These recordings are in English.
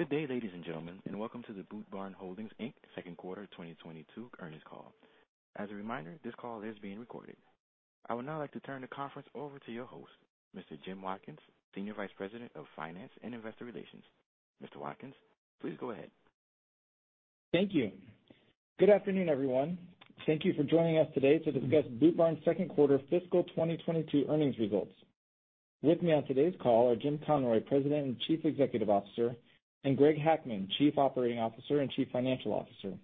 Good day, ladies and gentlemen, and welcome to the Boot Barn Holdings, Inc. second quarter 2022 earnings call. As a reminder, this call is being recorded. I would now like to turn the conference over to your host, Mr. Jim Watkins, Senior Vice President of Finance and Investor Relations. Mr. Watkins, please go ahead. Thank you. Good afternoon, everyone. Thank you for joining us today to discuss Boot Barn's Second Quarter Fiscal 2022 Earnings Results. With me on today's call are Jim Conroy, President and Chief Executive Officer, and Greg Hackman, Chief Operating Officer and Chief Financial Officer.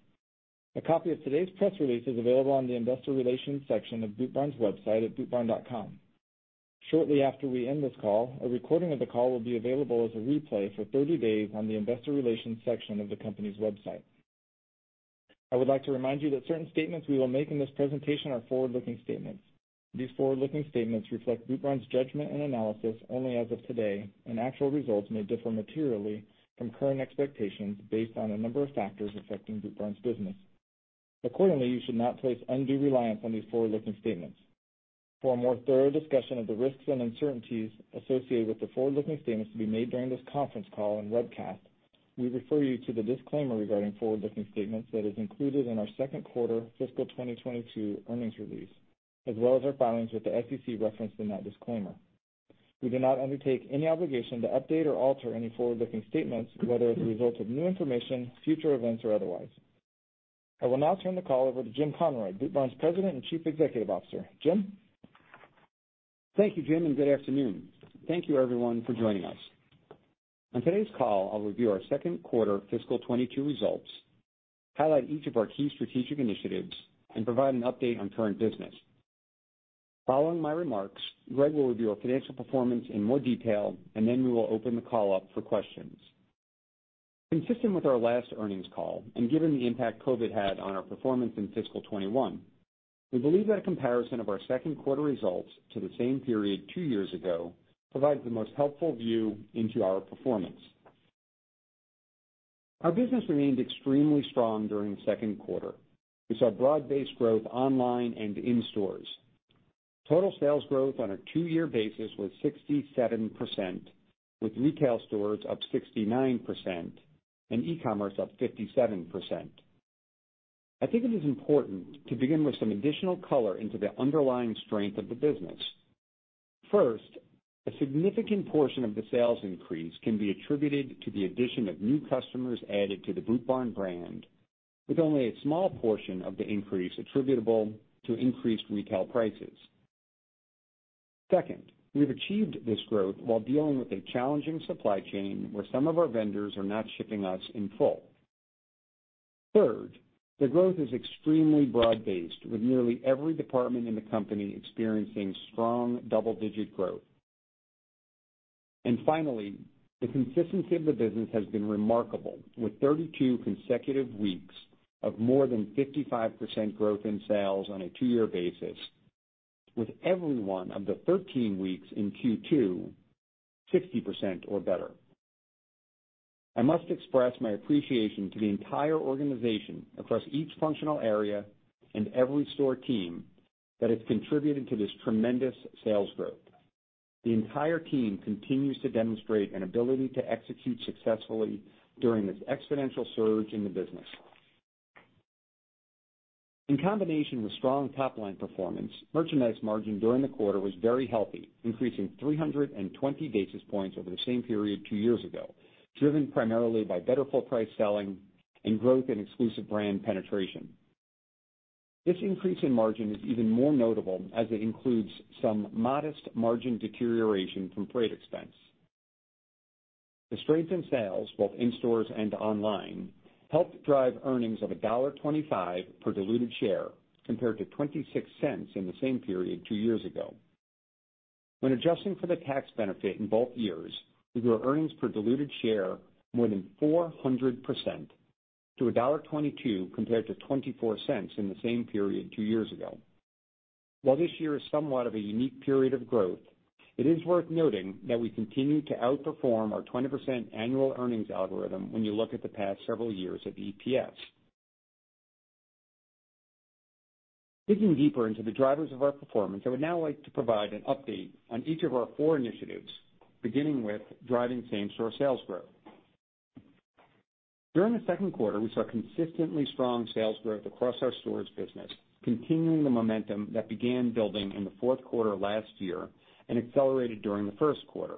A copy of today's press release is available on the Investor Relations section of Boot Barn's website at bootbarn.com. Shortly after we end this call, a recording of the call will be available as a replay for 30 days on the investor relations section of the company's website. I would like to remind you that certain statements we will make in this presentation are forward-looking statements. These forward-looking statements reflect Boot Barn's judgment and analysis only as of today, and actual results may differ materially from current expectations based on a number of factors affecting Boot Barn's business. Accordingly, you should not place undue reliance on these forward-looking statements. For a more thorough discussion of the risks and uncertainties associated with the forward-looking statements to be made during this conference call and webcast, we refer you to the disclaimer regarding forward-looking statements that is included in our second quarter fiscal 2022 earnings release, as well as our filings with the SEC referenced in that disclaimer. We do not undertake any obligation to update or alter any forward-looking statements, whether as a result of new information, future events, or otherwise. I will now turn the call over to Jim Conroy, Boot Barn's President and Chief Executive Officer. Jim. Thank you, Jim, and good afternoon. Thank you everyone for joining us. On today's call, I'll review our second quarter fiscal 2022 results, highlight each of our key strategic initiatives, and provide an update on current business. Following my remarks, Greg will review our financial performance in more detail, and then we will open the call up for questions. Consistent with our last earnings call, given the impact COVID had on our performance in fiscal 2021, we believe that a comparison of our second quarter results to the same period two years ago provides the most helpful view into our performance. Our business remained extremely strong during the second quarter. We saw broad-based growth online and in stores. Total sales growth on a two-year basis was 67%, with retail stores up 69% and e-commerce up 57%. I think it is important to begin with some additional color into the underlying strength of the business. First, a significant portion of the sales increase can be attributed to the addition of new customers added to the Boot Barn brand, with only a small portion of the increase attributable to increased retail prices. Second, we've achieved this growth while dealing with a challenging supply chain where some of our vendors are not shipping us in full. Third, the growth is extremely broad-based, with nearly every department in the company experiencing strong double-digit growth. Finally, the consistency of the business has been remarkable, with 32 consecutive weeks of more than 55% growth in sales on a two-year basis, with every one of the 13 weeks in Q2, 60% or better. I must express my appreciation to the entire organization across each functional area and every store team that has contributed to this tremendous sales growth. The entire team continues to demonstrate an ability to execute successfully during this exponential surge in the business. In combination with strong top-line performance, merchandise margin during the quarter was very healthy, increasing 320 basis points over the same period two years ago, driven primarily by better full price selling and growth in exclusive brand penetration. This increase in margin is even more notable as it includes some modest margin deterioration from freight expense. The strength in sales, both in stores and online, helped drive earnings of $1.25 per diluted share compared to $0.26 in the same period two years ago. When adjusting for the tax benefit in both years, we grew earnings per diluted share more than 400% to $1.22 compared to $0.24 in the same period two years ago. While this year is somewhat of a unique period of growth, it is worth noting that we continue to outperform our 20% annual earnings algorithm when you look at the past several years of EPS. Digging deeper into the drivers of our performance, I would now like to provide an update on each of our four initiatives, beginning with driving same-store sales growth. During the second quarter, we saw consistently strong sales growth across our stores business, continuing the momentum that began building in the fourth quarter last year and accelerated during the first quarter.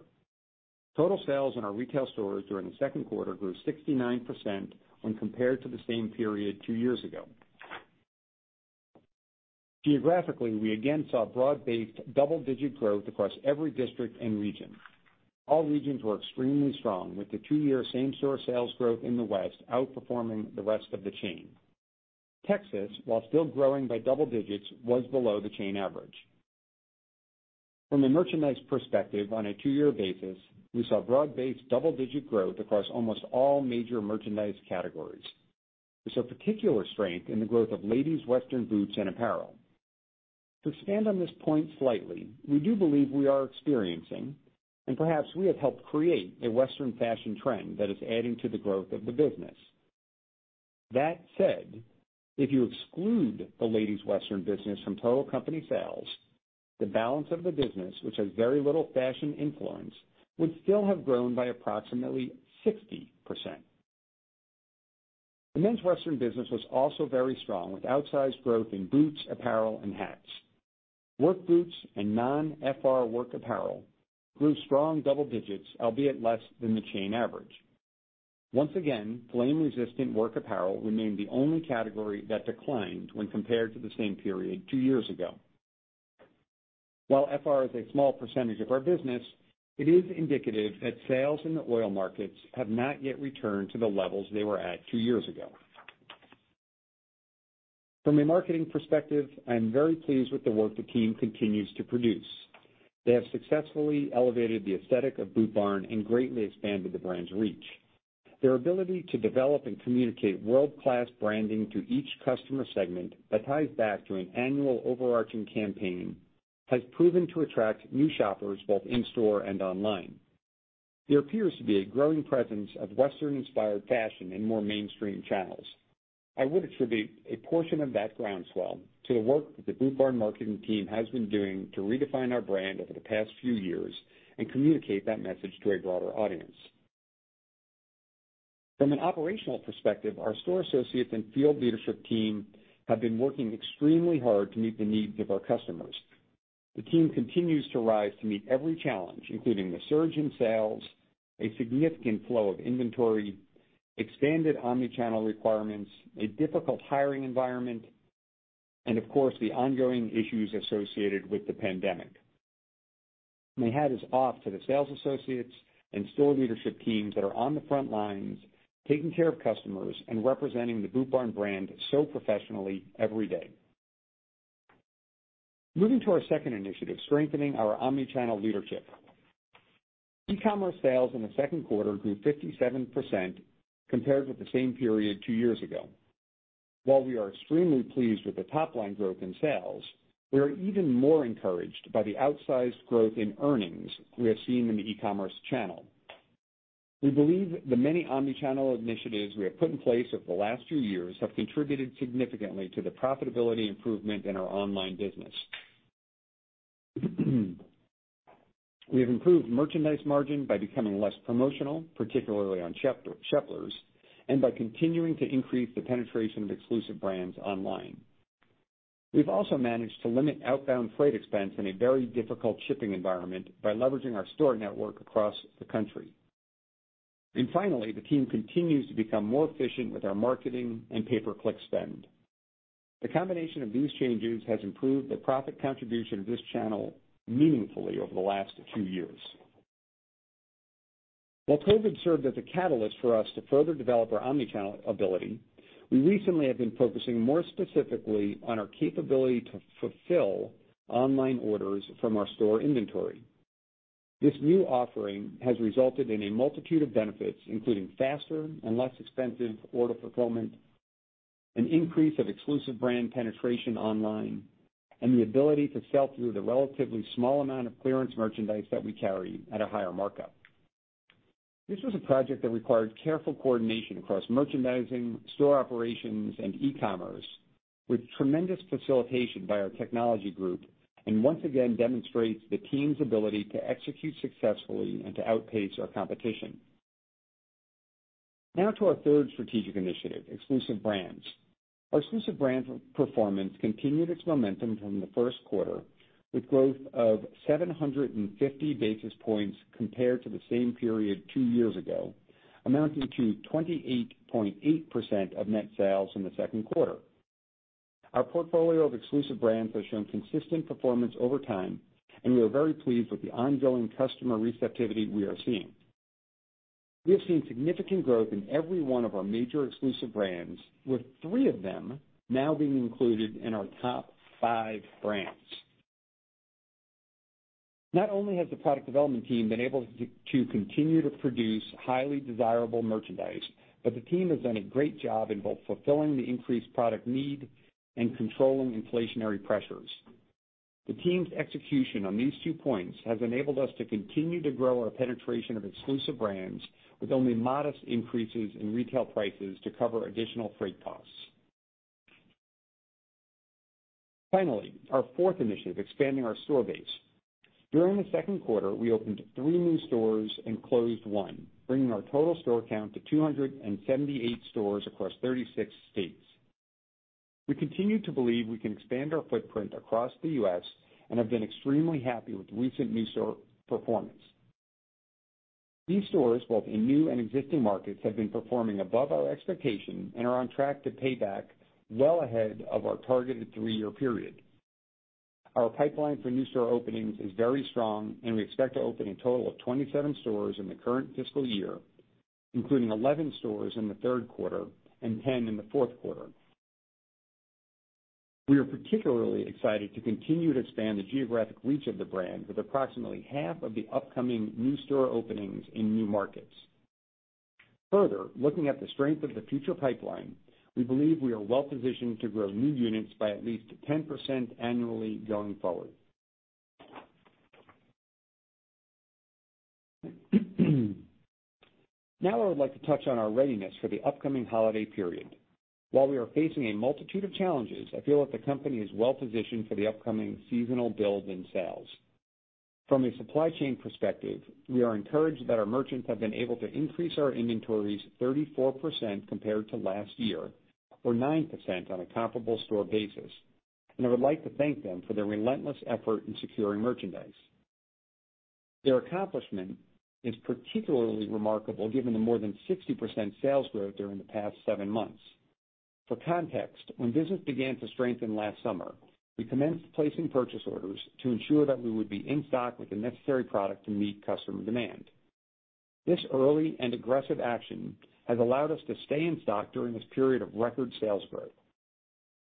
Total sales in our retail stores during the second quarter grew 69% when compared to the same period two years ago. Geographically, we again saw broad-based double-digit growth across every district and region. All regions were extremely strong, with the two-year same-store sales growth in the West outperforming the rest of the chain. Texas, while still growing by double digits, was below the chain average. From a merchandise perspective on a two-year basis, we saw broad-based double-digit growth across almost all major merchandise categories. We saw particular strength in the growth of ladies' western boots and apparel. To expand on this point slightly, we do believe we are experiencing, and perhaps we have helped create, a western fashion trend that is adding to the growth of the business. That said, if you exclude the ladies western business from total company sales, the balance of the business, which has very little fashion influence, would still have grown by approximately 60%. The men's western business was also very strong, with outsized growth in boots, apparel and hats. Work boots and non-FR work apparel grew strong double digits, albeit less than the chain average. Once again, flame-resistant work apparel remained the only category that declined when compared to the same period two years ago. While FR is a small percentage of our business, it is indicative that sales in the oil markets have not yet returned to the levels they were at two years ago. From a marketing perspective, I am very pleased with the work the team continues to produce. They have successfully elevated the aesthetic of Boot Barn and greatly expanded the brand's reach. Their ability to develop and communicate world-class branding to each customer segment that ties back to an annual overarching campaign has proven to attract new shoppers both in-store and online. There appears to be a growing presence of western-inspired fashion in more mainstream channels. I would attribute a portion of that groundswell to the work that the Boot Barn marketing team has been doing to redefine our brand over the past few years and communicate that message to a broader audience. From an operational perspective, our store associates and field leadership team have been working extremely hard to meet the needs of our customers. The team continues to rise to meet every challenge, including the surge in sales, a significant flow of inventory, expanded omnichannel requirements, a difficult hiring environment, and of course, the ongoing issues associated with the pandemic. My hat is off to the sales associates and store leadership teams that are on the front lines, taking care of customers and representing the Boot Barn brand so professionally every day. Moving to our second initiative, strengthening our omnichannel leadership. E-commerce sales in the second quarter grew 57% compared with the same period two years ago. While we are extremely pleased with the top-line growth in sales, we are even more encouraged by the outsized growth in earnings we have seen in the e-commerce channel. We believe the many omnichannel initiatives we have put in place over the last few years have contributed significantly to the profitability improvement in our online business. We have improved merchandise margin by becoming less promotional, particularly on Sheplers, and by continuing to increase the penetration of exclusive brands online. We've also managed to limit outbound freight expense in a very difficult shipping environment by leveraging our store network across the country. Finally, the team continues to become more efficient with our marketing and pay-per-click spend. The combination of these changes has improved the profit contribution of this channel meaningfully over the last two years. While COVID served as a catalyst for us to further develop our omnichannel ability, we recently have been focusing more specifically on our capability to fulfill online orders from our store inventory. This new offering has resulted in a multitude of benefits, including faster and less expensive order fulfillment, an increase of exclusive brand penetration online, and the ability to sell through the relatively small amount of clearance merchandise that we carry at a higher markup. This was a project that required careful coordination across merchandising, store operations, and e-commerce with tremendous facilitation by our technology group, and once again demonstrates the team's ability to execute successfully and to outpace our competition. Now to our third strategic initiative, exclusive brands. Our exclusive brands performance continued its momentum from the first quarter with growth of 750 basis points compared to the same period two years ago, amounting to 28.8% of net sales in the second quarter. Our portfolio of exclusive brands has shown consistent performance over time, and we are very pleased with the ongoing customer receptivity we are seeing. We have seen significant growth in every one of our major exclusive brands, with three of them now being included in our top five brands. Not only has the product development team been able to continue to produce highly desirable merchandise, but the team has done a great job in both fulfilling the increased product need and controlling inflationary pressures. The team's execution on these two points has enabled us to continue to grow our penetration of exclusive brands with only modest increases in retail prices to cover additional freight costs. Finally, our fourth initiative is expanding our store base. During the second quarter, we opened three new stores and closed one, bringing our total store count to 278 stores across 36 states. We continue to believe we can expand our footprint across the U.S. and have been extremely happy with recent new store performance. These stores, both in new and existing markets, have been performing above our expectation and are on track to pay back well ahead of our targeted three-year period. Our pipeline for new store openings is very strong, and we expect to open a total of 27 stores in the current fiscal year, including 11 stores in the third quarter and 10 in the fourth quarter. We are particularly excited to continue to expand the geographic reach of the brand with approximately half of the upcoming new store openings in new markets. Further, looking at the strength of the future pipeline, we believe we are well positioned to grow new units by at least 10% annually going forward. Now I would like to touch on our readiness for the upcoming holiday period. While we are facing a multitude of challenges, I feel that the company is well-positioned for the upcoming seasonal build in sales. From a supply chain perspective, we are encouraged that our merchants have been able to increase our inventories 34% compared to last year, or 9% on a comparable store basis, and I would like to thank them for their relentless effort in securing merchandise. Their accomplishment is particularly remarkable given the more than 60% sales growth during the past seven months. For context, when business began to strengthen last summer, we commenced placing purchase orders to ensure that we would be in stock with the necessary product to meet customer demand. This early and aggressive action has allowed us to stay in stock during this period of record sales growth.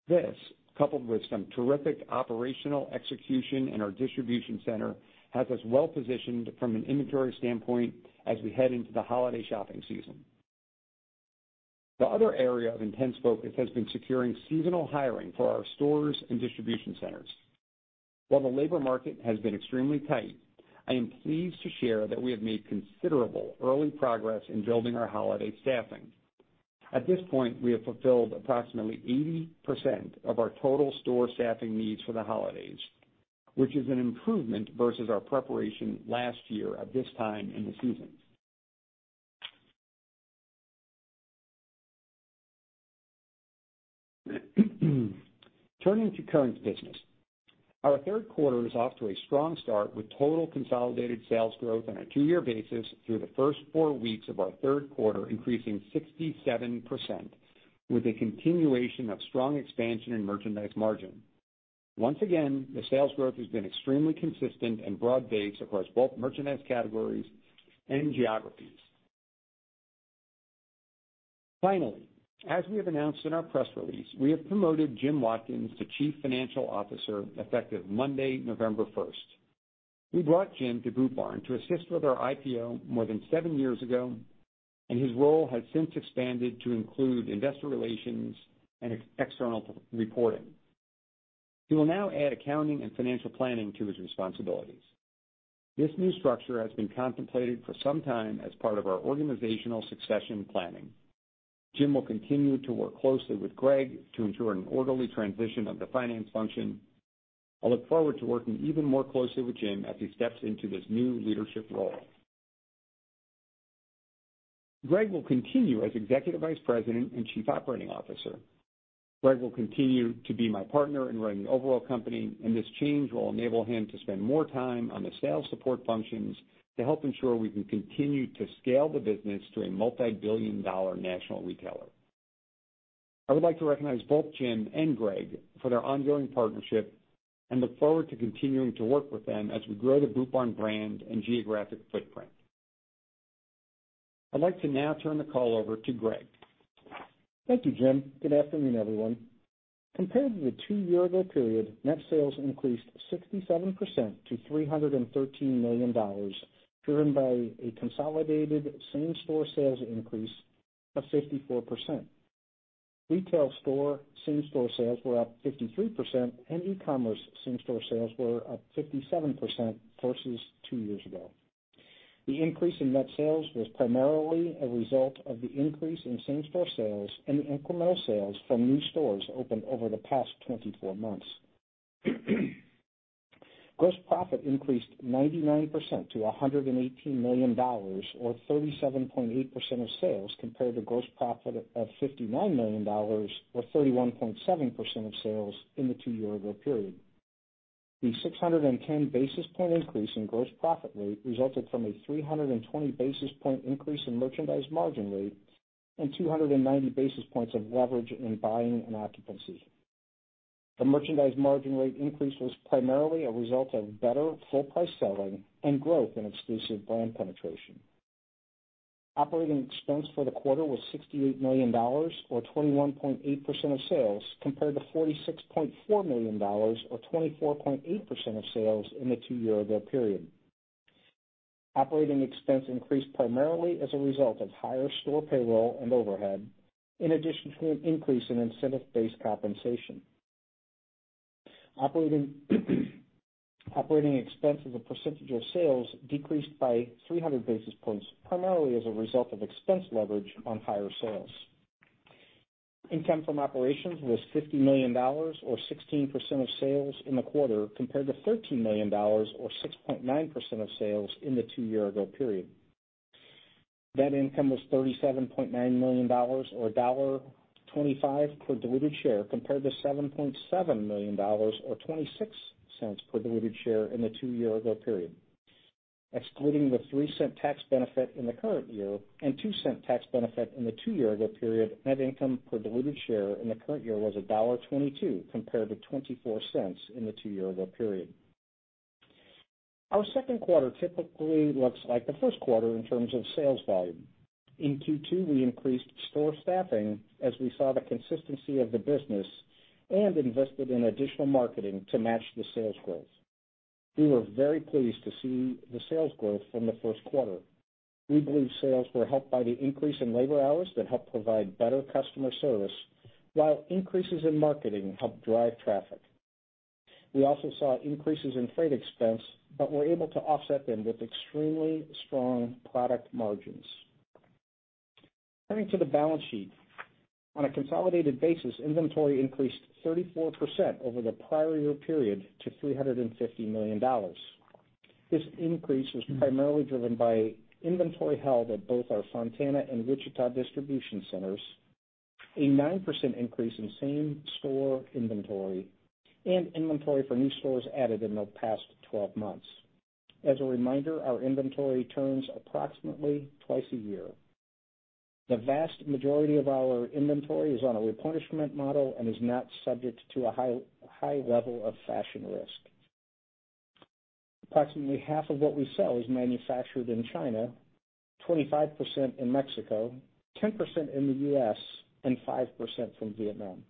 This, coupled with some terrific operational execution in our distribution center, has us well-positioned from an inventory standpoint as we head into the holiday shopping season. The other area of intense focus has been securing seasonal hiring for our stores and distribution centers. While the labor market has been extremely tight, I am pleased to share that we have made considerable early progress in building our holiday staffing. At this point, we have fulfilled approximately 80% of our total store staffing needs for the holidays, which is an improvement versus our preparation last year at this time in the season. Turning to current business. Our third quarter is off to a strong start with total consolidated sales growth on a two-year basis through the first four weeks of our third quarter, increasing 67%, with a continuation of strong expansion in merchandise margin. Once again, the sales growth has been extremely consistent and broad-based across both merchandise categories and geographies. Finally, as we have announced in our press release, we have promoted Jim Watkins to Chief Financial Officer, effective Monday, November 1st. We brought Jim to Boot Barn to assist with our IPO more than seven years ago, and his role has since expanded to include investor relations and external reporting. He will now add accounting and financial planning to his responsibilities. This new structure has been contemplated for some time as part of our organizational succession planning. Jim will continue to work closely with Greg to ensure an orderly transition of the finance function. I look forward to working even more closely with Jim as he steps into this new leadership role. Greg will continue as Executive Vice President and Chief Operating Officer. Greg will continue to be my partner in running the overall company, and this change will enable him to spend more time on the sales support functions to help ensure we can continue to scale the business to a multibillion-dollar national retailer. I would like to recognize both Jim and Greg for their ongoing partnership and look forward to continuing to work with them as we grow the Boot Barn brand and geographic footprint. I'd like to now turn the call over to Greg. Thank you, Jim. Good afternoon, everyone. Compared to the two-year-ago period, net sales increased 67% to $313 million, driven by a consolidated same-store sales increase of 54%. Retail store same-store sales were up 53%, and e-commerce same-store sales were up 57% versus two years ago. The increase in net sales was primarily a result of the increase in same-store sales and the incremental sales from new stores opened over the past 24 months. Gross profit increased 99% to $118 million, or 37.8% of sales, compared to gross profit of $59 million, or 31.7% of sales in the two-year-ago period. The 610-basis-point increase in gross profit rate resulted from a 320-basis-point increase in merchandise margin rate and 290 basis points of leverage in buying and occupancy. The merchandise margin rate increase was primarily a result of better full-price selling and growth in exclusive brand penetration. Operating expense for the quarter was $68 million, or 21.8% of sales, compared to $46.4 million, or 24.8% of sales in the two-year-ago period. Operating expense increased primarily as a result of higher store payroll and overhead, in addition to an increase in incentive-based compensation. Operating expense as a percentage of sales decreased by 300 basis points, primarily as a result of expense leverage on higher sales. Income from operations was $50 million, or 16% of sales in the quarter, compared to $13 million, or 6.9% of sales in the two-year-ago period. Net income was $37.9 million, or $1.25 per diluted share, compared to $7.7 million or $0.26 per diluted share in the two-year-ago period. Excluding the $0.03 tax benefit in the current year and $0.02 tax benefit in the two-year-ago period, net income per diluted share in the current year was $1.22, compared to $0.24 in the two-year-ago period. Our second quarter typically looks like the first quarter in terms of sales volume. In Q2, we increased store staffing as we saw the consistency of the business and invested in additional marketing to match the sales growth. We were very pleased to see the sales growth from the first quarter. We believe sales were helped by the increase in labor hours that helped provide better customer service, while increases in marketing helped drive traffic. We also saw increases in freight expense, but were able to offset them with extremely strong product margins. Turning to the balance sheet. On a consolidated basis, inventory increased 34% over the prior year period to $350 million. This increase was primarily driven by inventory held at both our Fontana and Wichita distribution centers, a 9% increase in same store inventory, and inventory for new stores added in the past 12 months. As a reminder, our inventory turns approximately twice a year. The vast majority of our inventory is on a replenishment model and is not subject to a high level of fashion risk. Approximately half of what we sell is manufactured in China, 25% in Mexico, 10% in the U.S., and 5% from Vietnam.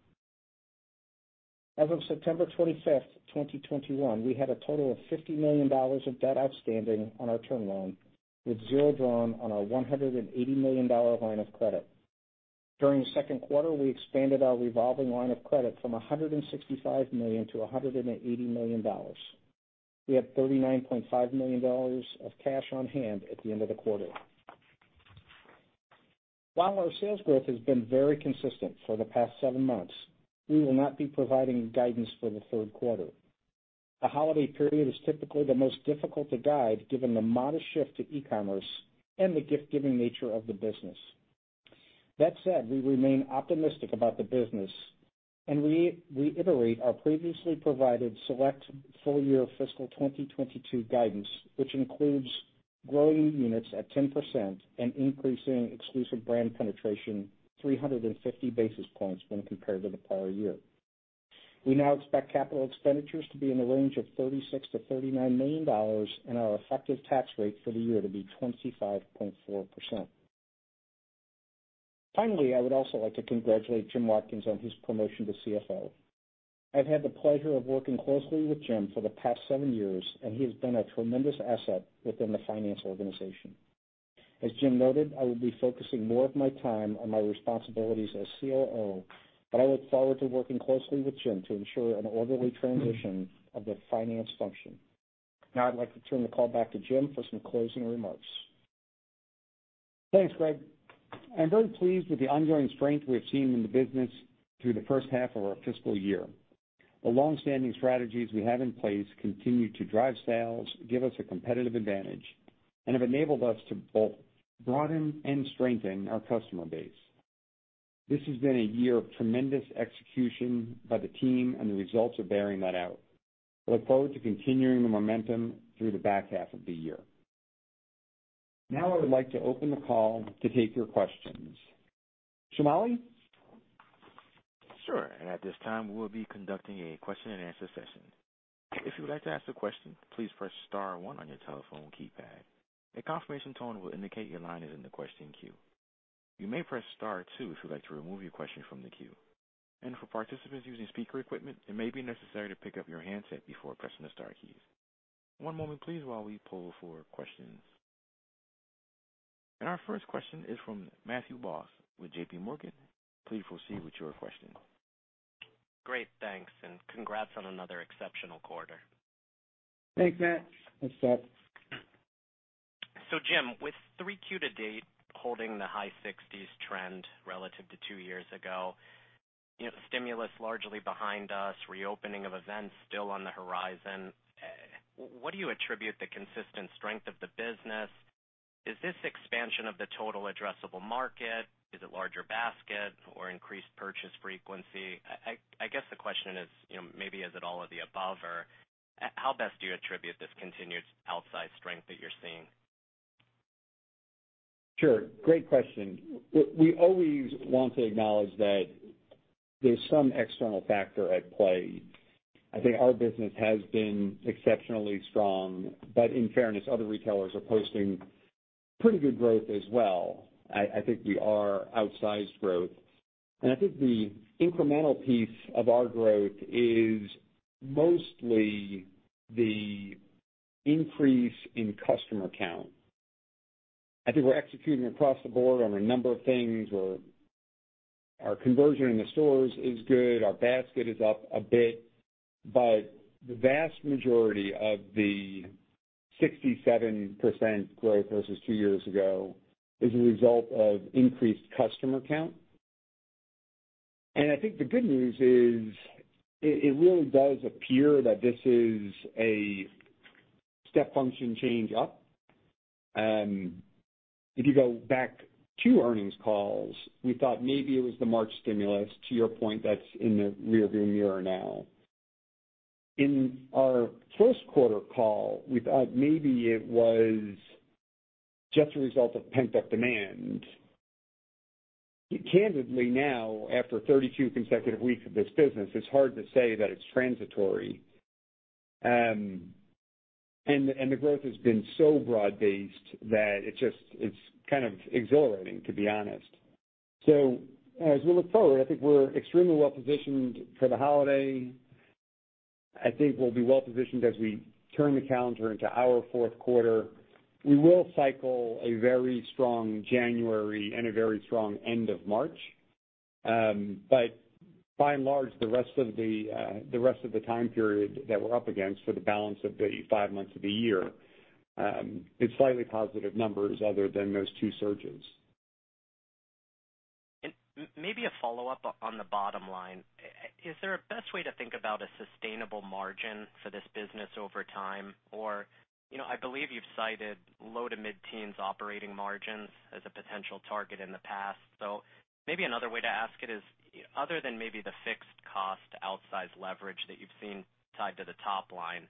As of September 25th, 2021, we had a total of $50 million of debt outstanding on our term loan, with zero drawn on our $180 million line of credit. During the second quarter, we expanded our revolving line of credit from $165 million to $180 million. We have $39.5 million of cash on hand at the end of the quarter. While our sales growth has been very consistent for the past seven months, we will not be providing guidance for the third quarter. The holiday period is typically the most difficult to guide, given the modest shift to e-commerce and the gift-giving nature of the business. That said, we remain optimistic about the business, and we reiterate our previously provided select full year fiscal 2022 guidance, which includes growing units at 10% and increasing exclusive brand penetration 350 basis points when compared to the prior year. We now expect capital expenditures to be in the range of $36 million-$39 million and our effective tax rate for the year to be 25.4%. Finally, I would also like to congratulate Jim Watkins on his promotion to CFO. I've had the pleasure of working closely with Jim for the past seven years, and he has been a tremendous asset within the finance organization. As Jim noted, I will be focusing more of my time on my responsibilities as COO, but I look forward to working closely with Jim to ensure an orderly transition of the finance function. Now I'd like to turn the call back to Jim for some closing remarks. Thanks, Greg. I'm very pleased with the ongoing strength we have seen in the business through the first half of our fiscal year. The long-standing strategies we have in place continue to drive sales, give us a competitive advantage, and have enabled us to both broaden and strengthen our customer base. This has been a year of tremendous execution by the team, and the results are bearing that out. I look forward to continuing the momentum through the back half of the year. Now I would like to open the call to take your questions. Sonali. Sure. At this time, we'll be conducting a question-and-answer session. If you would like to ask a question, please press star one on your telephone keypad. A confirmation tone will indicate your line is in the question queue. You may press star two if you'd like to remove your question from the queue. For participants using speaker equipment, it may be necessary to pick up your handset before pressing the star keys. One moment please while we poll for questions. Our first question is from Matthew Boss with JPMorgan. Please proceed with your question. Great, thanks, and congrats on another exceptional quarter. Thanks, Matt. What's up? Jim, with 3Q to date holding the high 60s% trend relative to two years ago, you know, stimulus largely behind us, reopening of events still on the horizon, what do you attribute the consistent strength of the business? Is this expansion of the total addressable market? Is it larger basket or increased purchase frequency? I guess the question is, you know, maybe is it all of the above, or how best do you attribute this continued outsized strength that you're seeing? Sure. Great question. We always want to acknowledge that there's some external factor at play. I think our business has been exceptionally strong, but in fairness, other retailers are posting pretty good growth as well. I think we are outsized growth, and I think the incremental piece of our growth is mostly the increase in customer count. I think we're executing across the board on a number of things, or our conversion in the stores is good. Our basket is up a bit, but the vast majority of the 67% growth versus two years ago is a result of increased customer count. I think the good news is it really does appear that this is a step function change up. If you go back two earnings calls, we thought maybe it was the March stimulus, to your point, that's in the rearview mirror now. In our first quarter call, we thought maybe it was just a result of pent-up demand. Candidly now, after 32 consecutive weeks of this business, it's hard to say that it's transitory. The growth has been so broad-based that it's kind of exhilarating, to be honest. As we look forward, I think we're extremely well-positioned for the holiday. I think we'll be well-positioned as we turn the calendar into our fourth quarter. We will cycle a very strong January and a very strong end of March. By and large, the rest of the time period that we're up against for the balance of the five months of the year, it's slightly positive numbers other than those two surges. Maybe a follow-up on the bottom line. Is there a best way to think about a sustainable margin for this business over time? Or, you know, I believe you've cited low- to mid-teens operating margins as a potential target in the past. Maybe another way to ask it is, other than maybe the fixed cost outsized leverage that you've seen tied to the top line,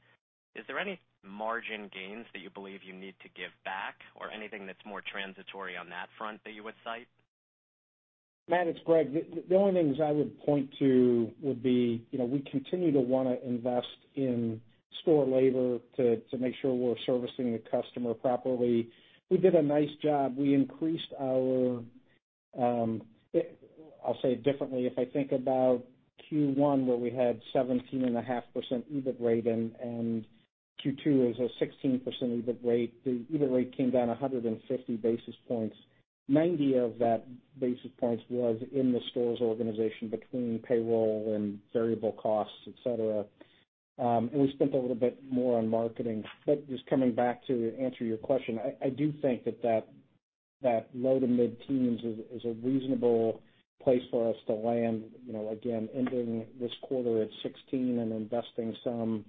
is there any margin gains that you believe you need to give back or anything that's more transitory on that front that you would cite? Matt, it's Greg. The only things I would point to would be, you know, we continue to wanna invest in store labor to make sure we're servicing the customer properly. We did a nice job. We increased. I'll say it differently. If I think about Q1, where we had 17.5% EBIT rate and Q2 is a 16% EBIT rate, the EBIT rate came down 150 basis points. Ninety of that basis points was in the stores organization between payroll and variable costs, et cetera. We spent a little bit more on marketing. Just coming back to answer your question, I do think that low to mid-teens is a reasonable place for us to land. You know, again, ending this quarter at 16% and investing some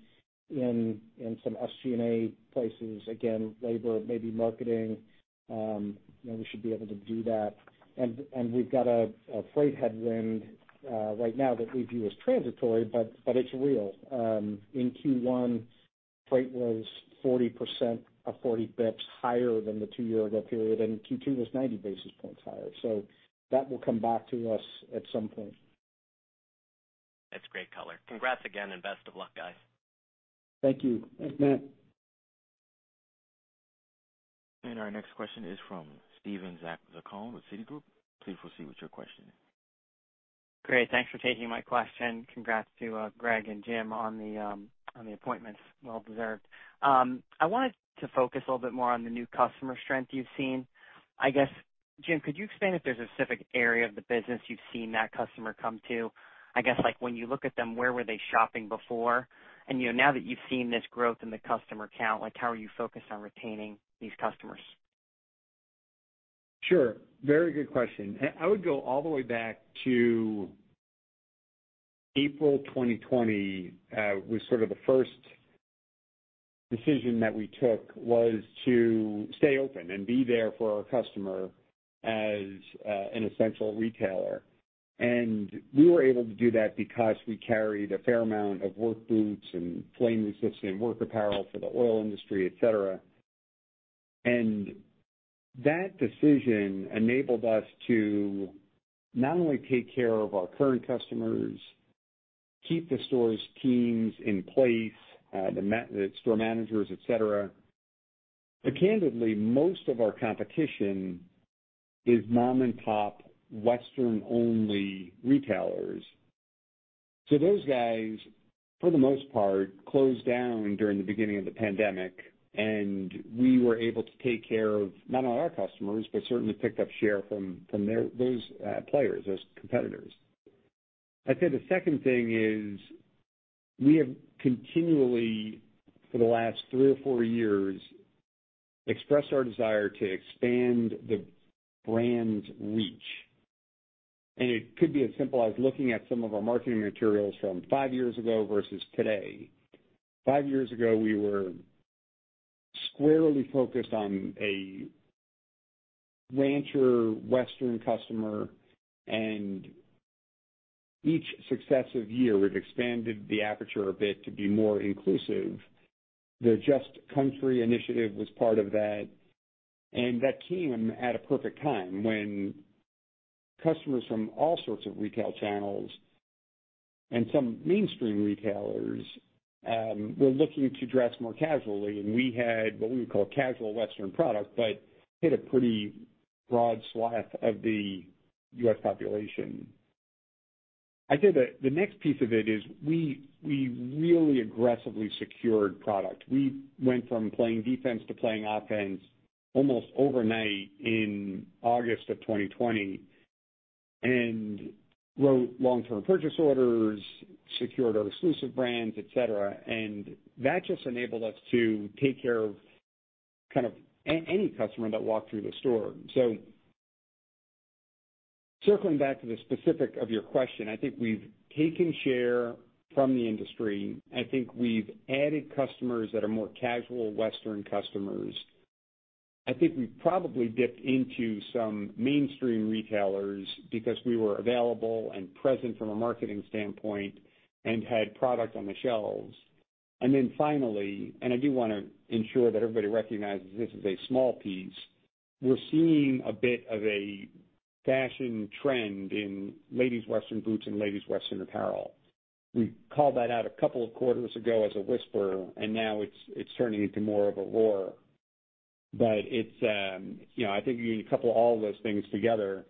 in some SG&A places, again, labor, maybe marketing, you know, we should be able to do that. We've got a freight headwind right now that we view as transitory, but it's real. In Q1, freight was 40% or 40 basis points higher than the two-year-ago period, and Q2 was 90 basis points higher. That will come back to us at some point. That's great color. Congrats again and best of luck, guys. Thank you. Thanks, Matt. Our next question is from Steven Zaccone with Citigroup. Please proceed with your question. Great. Thanks for taking my question. Congrats to Greg and Jim on the appointments. Well deserved. I wanted to focus a little bit more on the new customer strength you've seen. I guess, Jim, could you expand if there's a specific area of the business you've seen that customer come to? I guess, like, when you look at them, where were they shopping before? You know, now that you've seen this growth in the customer count, like, how are you focused on retaining these customers? Sure. Very good question. I would go all the way back to April 2020, was sort of the first decision that we took was to stay open and be there for our customer as an essential retailer. We were able to do that because we carried a fair amount of work boots and flame-resistant work apparel for the oil industry, et cetera. That decision enabled us to not only take care of our current customers, keep the stores' teams in place, the store managers, et cetera. Candidly, most of our competition is mom and pop western-only retailers. Those guys, for the most part, closed down during the beginning of the pandemic, and we were able to take care of not only our customers, but certainly picked up share from those players, those competitors. I'd say the second thing is we have continually, for the last three or four years, expressed our desire to expand the brand's reach. It could be as simple as looking at some of our marketing materials from five years ago versus today. Five years ago, we were squarely focused on a rancher western customer, and each successive year, we've expanded the aperture a bit to be more inclusive. The Just Country initiative was part of that, and that came at a perfect time when customers from all sorts of retail channels and some mainstream retailers were looking to dress more casually. We had what we would call casual western product but hit a pretty broad swath of the U.S. population. I'd say the next piece of it is we really aggressively secured product. We went from playing defense to playing offense almost overnight in August of 2020 and wrote long-term purchase orders, secured our exclusive brands, et cetera. That just enabled us to take care of kind of any customer that walked through the store. Circling back to the specifics of your question, I think we've taken share from the industry. I think we've added customers that are more casual western customers. I think we probably dipped into some mainstream retailers because we were available and present from a marketing standpoint and had product on the shelves. Then finally, and I do wanna ensure that everybody recognizes this is a small piece, we're seeing a bit of a fashion trend in ladies' western boots and ladies' western apparel. We called that out a couple of quarters ago as a whisper, and now it's turning into more of a roar. It's you know, I think when you couple all of those things together,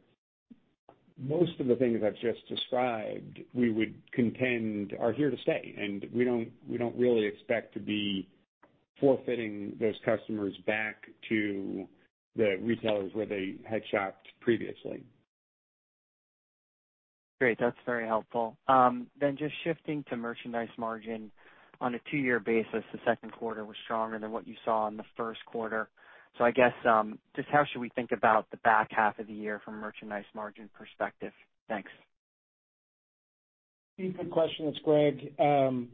most of the things I've just described, we would contend are here to stay. We don't really expect to be forfeiting those customers back to the retailers where they had shopped previously. Great. That's very helpful. Just shifting to merchandise margin on a two-year basis, the second quarter was stronger than what you saw in the first quarter. I guess, just how should we think about the back half of the year from a merchandise margin perspective? Thanks. Good question. It's Greg.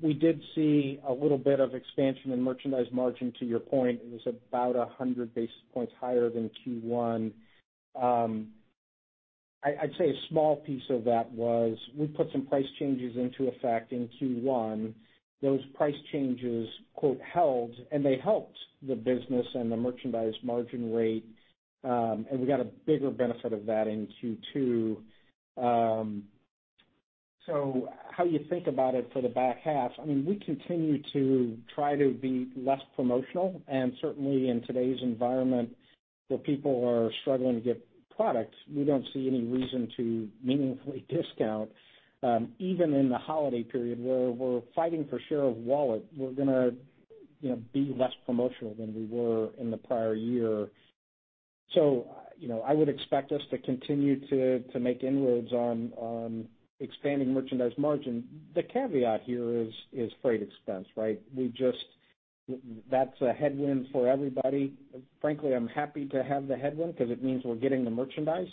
We did see a little bit of expansion in merchandise margin, to your point. It was about 100 basis points higher than Q1. I'd say a small piece of that was we put some price changes into effect in Q1. Those price changes, quote, held, and they helped the business and the merchandise margin rate, and we got a bigger benefit of that in Q2. How you think about it for the back half, I mean, we continue to try to be less promotional, and certainly in today's environment where people are struggling to get products, we don't see any reason to meaningfully discount. Even in the holiday period where we're fighting for share of wallet, we're gonna, you know, be less promotional than we were in the prior year. You know, I would expect us to continue to make inroads on expanding merchandise margin. The caveat here is freight expense, right? That's a headwind for everybody. Frankly, I'm happy to have the headwind because it means we're getting the merchandise.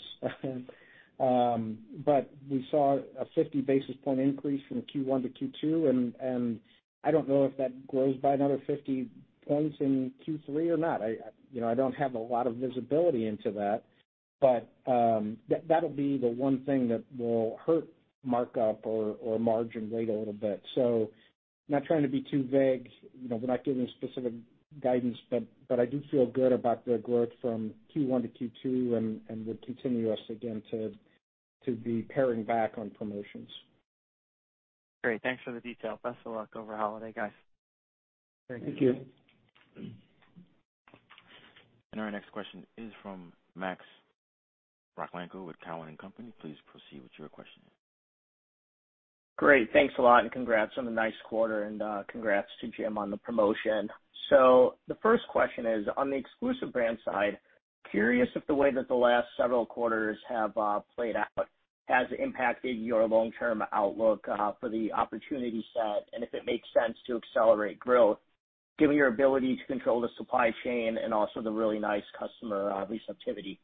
But we saw a 50 basis points increase from Q1 to Q2, and I don't know if that grows by another 50 points in Q3 or not. You know, I don't have a lot of visibility into that, but that'll be the one thing that will hurt markup or margin rate a little bit. Not trying to be too vague, you know, we're not giving specific guidance, but I do feel good about the growth from Q1 to Q2 and would continue us again to be paring back on promotions. Great. Thanks for the detail. Best of luck over holiday, guys. Thank you. Thank you. Our next question is from Max Rakhlenko with Cowen and Company. Please proceed with your question. Great. Thanks a lot, and congrats on the nice quarter, and congrats to Jim on the promotion. The first question is, on the exclusive brand side, I'm curious if the way that the last several quarters have played out has impacted your long-term outlook for the opportunity set, and if it makes sense to accelerate growth, given your ability to control the supply chain and also the really nice customer receptivity.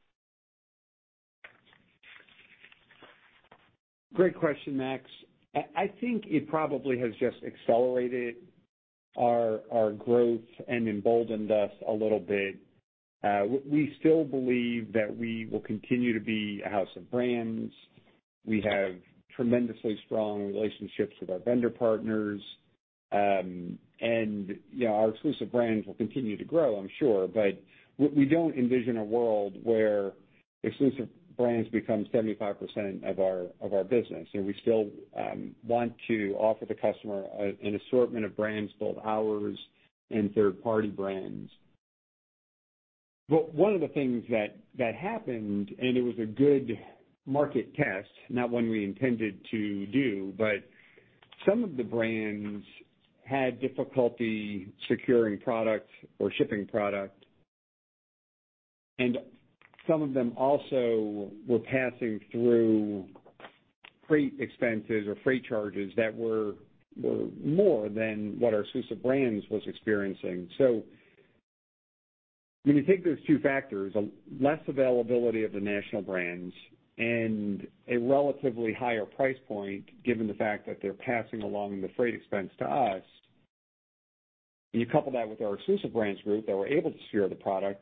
Great question, Max. I think it probably has just accelerated our growth and emboldened us a little bit. We still believe that we will continue to be a house of brands. We have tremendously strong relationships with our vendor partners. You know, our exclusive brands will continue to grow, I'm sure. We don't envision a world where exclusive brands become 75% of our business. You know, we still want to offer the customer an assortment of brands, both ours and third-party brands. One of the things that happened, and it was a good market test, not one we intended to do, but some of the brands had difficulty securing product or shipping product, and some of them also were passing through freight expenses or freight charges that were more than what our exclusive brands was experiencing. When you take those two factors, less availability of the national brands and a relatively higher price point, given the fact that they're passing along the freight expense to us, and you couple that with our exclusive brands group that were able to secure the product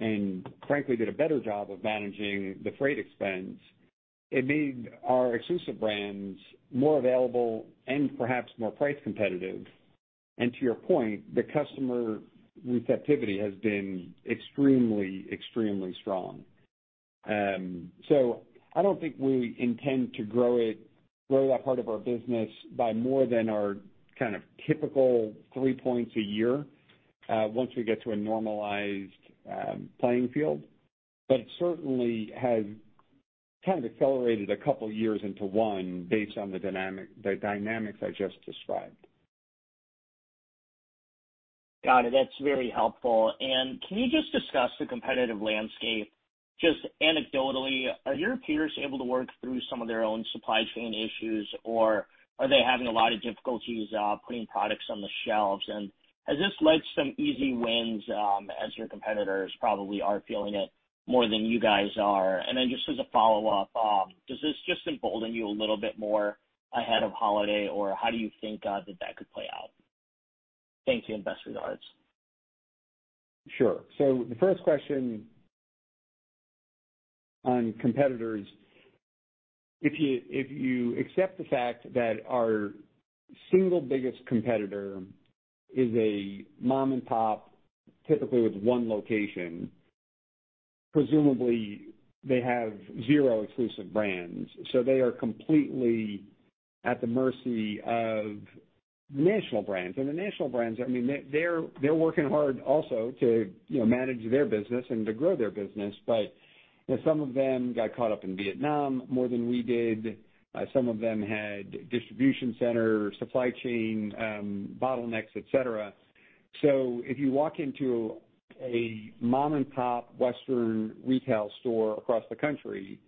and frankly, did a better job of managing the freight expense, it made our exclusive brands more available and perhaps more price competitive. To your point, the customer receptivity has been extremely strong. I don't think we intend to grow that part of our business by more than our kind of typical three points a year, once we get to a normalized playing field. It certainly has kind of accelerated a couple of years into one based on the dynamics I just described. Got it. That's very helpful. Can you just discuss the competitive landscape just anecdotally? Are your peers able to work through some of their own supply chain issues, or are they having a lot of difficulties putting products on the shelves? Has this led to some easy wins, as your competitors probably are feeling it more than you guys are? Then just as a follow-up, does this just embolden you a little bit more ahead of holiday, or how do you think that could play out? Thank you, and best regards. Sure. The first question on competitors, if you accept the fact that our single biggest competitor is a mom and pop, typically with one location, presumably they have zero exclusive brands, so they are completely at the mercy of national brands. The national brands, I mean, they're working hard also to you know, manage their business and to grow their business. You know, some of them got caught up in Vietnam more than we did. Some of them had distribution center, supply chain bottlenecks, etc. If you walk into a mom-and-pop western retail store across the country,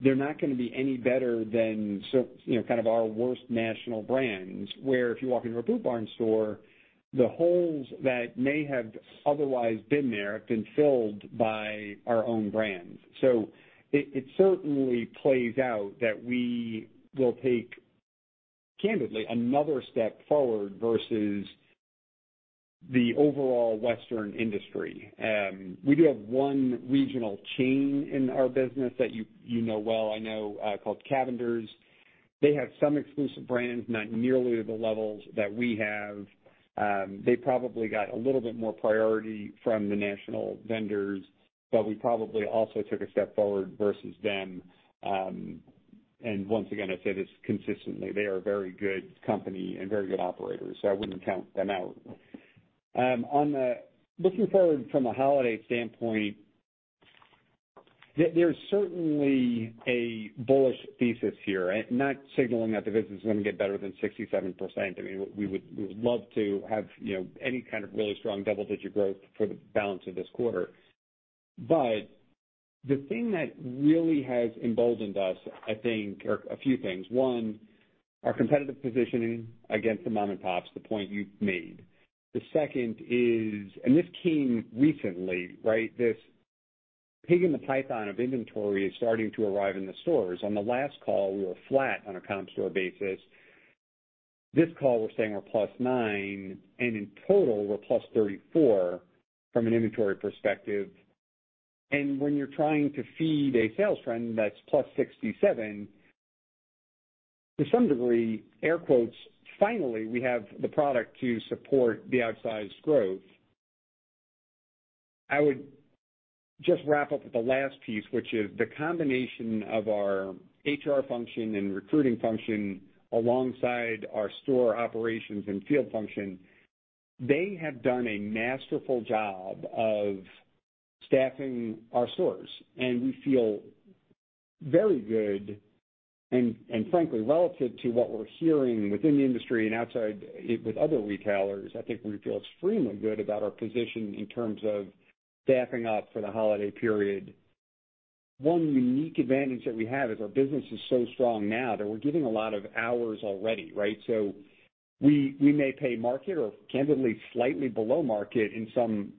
they're not gonna be any better than, you know, kind of, our worst national brands, where if you walk into a Boot Barn store, the holes that may have otherwise been there have been filled by our own brands. It certainly plays out that we will take, candidly, another step forward versus the overall western industry. We do have one regional chain in our business that you know well, I know, called Cavender's. They have some exclusive brands, not nearly to the levels that we have. They probably got a little bit more priority from the national vendors, but we probably also took a step forward versus them. Once again, I say this consistently, they are a very good company and very good operators, so I wouldn't count them out. Looking forward from a holiday standpoint, there's certainly a bullish thesis here. I'm not signaling that the business is gonna get better than 67%. I mean, we would love to have, you know, any kind of really strong double-digit growth for the balance of this quarter. The thing that really has emboldened us, I think, are a few things. One, our competitive positioning against the mom-and-pops, the point you've made. The second is. This came recently, right? This pig in the python of inventory is starting to arrive in the stores. On the last call, we were flat on a comp store basis. This call, we're saying we're +9%, and in total, we're +34% from an inventory perspective. When you're trying to feed a sales trend that's +67%, to some degree, air quotes, finally, we have the product to support the outsized growth. I would just wrap up with the last piece, which is the combination of our HR function and recruiting function alongside our store operations and field function. They have done a masterful job of staffing our stores, and we feel very good, and frankly, relative to what we're hearing within the industry and outside with other retailers, I think we feel extremely good about our position in terms of staffing up for the holiday period. One unique advantage that we have is our business is so strong now that we're giving a lot of hours already, right? We may pay market or candidly, slightly below market in some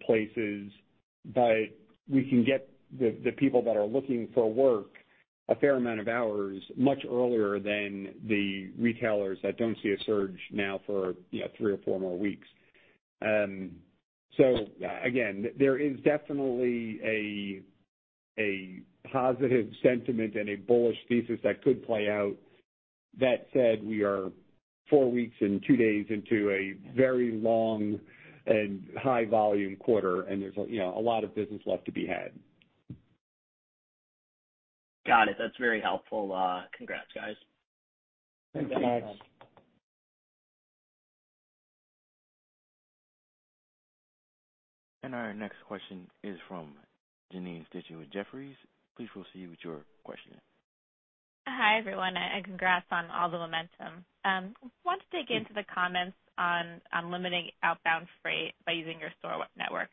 places, but we can get the people that are looking for work a fair amount of hours much earlier than the retailers that don't see a surge now for, you know, three or four more weeks. Again, there is definitely a positive sentiment and a bullish thesis that could play out. That said, we are four weeks and two days into a very long and high-volume quarter, and there's, you know, a lot of business left to be had. Got it. That's very helpful. Congrats, guys. Thanks. Thanks. Our next question is from Janine Stichter with Jefferies. Please proceed with your question. Hi, everyone, and congrats on all the momentum. Wanted to dig into the comments on limiting outbound freight by using your store network.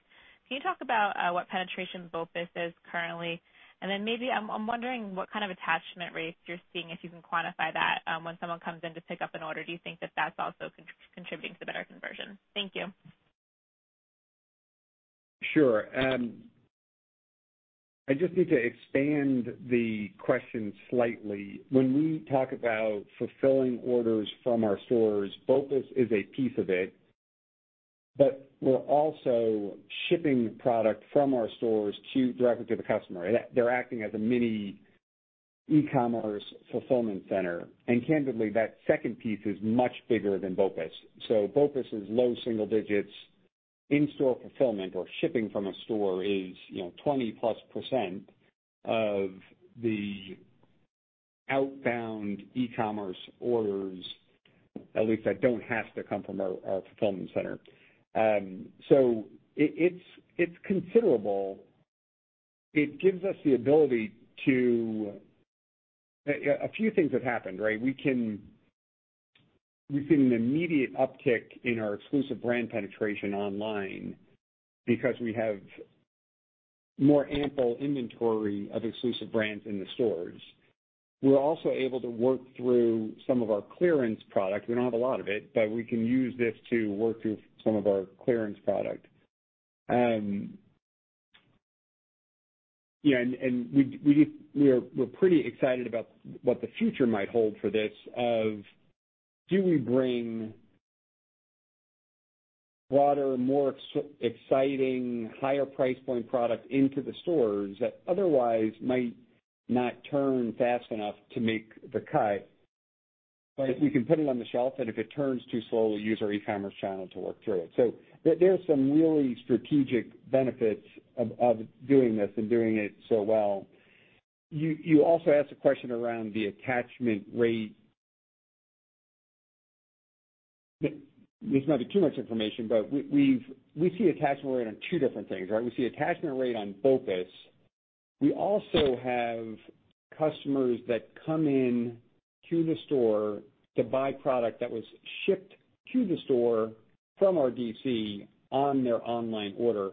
Can you talk about what penetration BOPIS is currently? Then maybe I'm wondering what kind of attachment rates you're seeing, if you can quantify that. When someone comes in to pick up an order, do you think that that's also contributing to the better conversion? Thank you. Sure. I just need to expand the question slightly. When we talk about fulfilling orders from our stores, BOPIS is a piece of it, but we're also shipping product from our stores directly to the customer. They're acting as a mini e-commerce fulfillment center. Candidly, that second piece is much bigger than BOPIS. BOPIS is low single digits. In-store fulfillment or shipping from a store is 20+% of the outbound e-commerce orders, at least that don't have to come from a fulfillment center. It's considerable. It gives us the ability to a few things have happened. We've seen an immediate uptick in our exclusive brand penetration online because we have more ample inventory of exclusive brands in the stores. We're also able to work through some of our clearance product. We don't have a lot of it, but we can use this to work through some of our clearance product. We're pretty excited about what the future might hold for this, or do we bring broader, more exciting, higher price point product into the stores that otherwise might not turn fast enough to make the cut. If we can put it on the shelf, and if it turns too slow, we'll use our e-commerce channel to work through it. There are some really strategic benefits of doing this and doing it so well. You also asked a question around the attachment rate. This might be too much information, but we see attachment rate on two different things, right? We see attachment rate on BOPIS. We also have customers that come in to the store to buy product that was shipped to the store from our DC on their online order.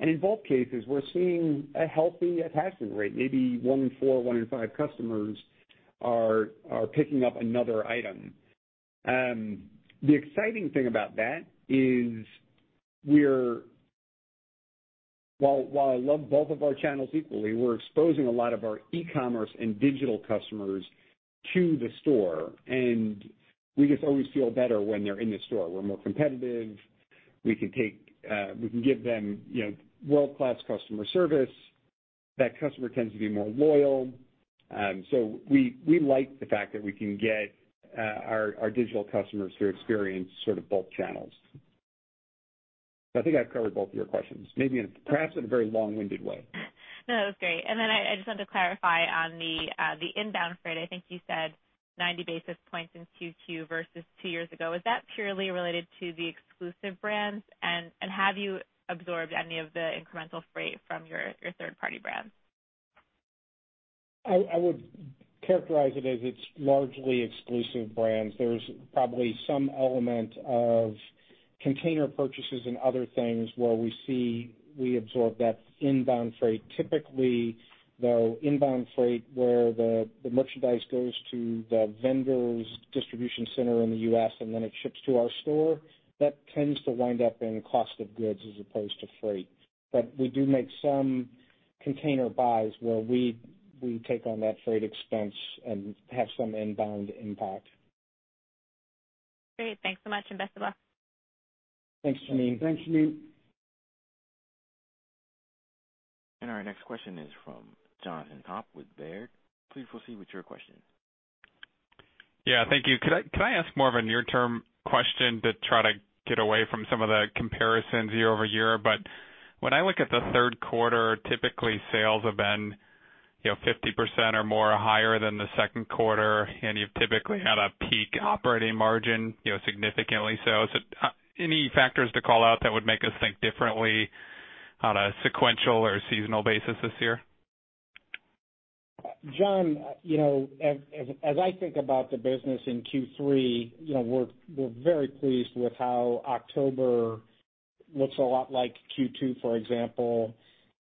In both cases, we're seeing a healthy attachment rate. Maybe one in four, one in five customers are picking up another item. The exciting thing about that is, while I love both of our channels equally, we're exposing a lot of our e-commerce and digital customers to the store, and we just always feel better when they're in the store. We're more competitive. We can give them, you know, world-class customer service. That customer tends to be more loyal. We like the fact that we can get our digital customers to experience sort of both channels. I think I've covered both of your questions, maybe, perhaps, in a very long-winded way. No, that was great. I just wanted to clarify on the inbound freight. I think you said 90 basis points in Q2 versus two years ago. Is that purely related to the exclusive brands? Have you absorbed any of the incremental freight from your third-party brands? I would characterize it as it's largely exclusive brands. There's probably some element of container purchases and other things where we absorb that inbound freight. Typically, though, inbound freight, where the merchandise goes to the vendor's distribution center in the U.S. and then it ships to our store, that tends to wind up in cost of goods as opposed to freight. We do make some container buys where we take on that freight expense and have some inbound impact. Great. Thanks so much, and best of luck. Thanks, Janine. Thanks, Janine. Our next question is from Jonathan Komp with Baird. Please proceed with your question. Yeah, thank you. Could I ask more of a near-term question to try to get away from some of the comparisons year-over-year? When I look at the third quarter, typically sales have been, you know, 50% or more higher than the second quarter, and you've typically had a peak operating margin, you know, significantly so. Is it any factors to call out that would make us think differently on a sequential or seasonal basis this year? Jon, you know, as I think about the business in Q3, you know, we're very pleased with how October looks a lot like Q2, for example.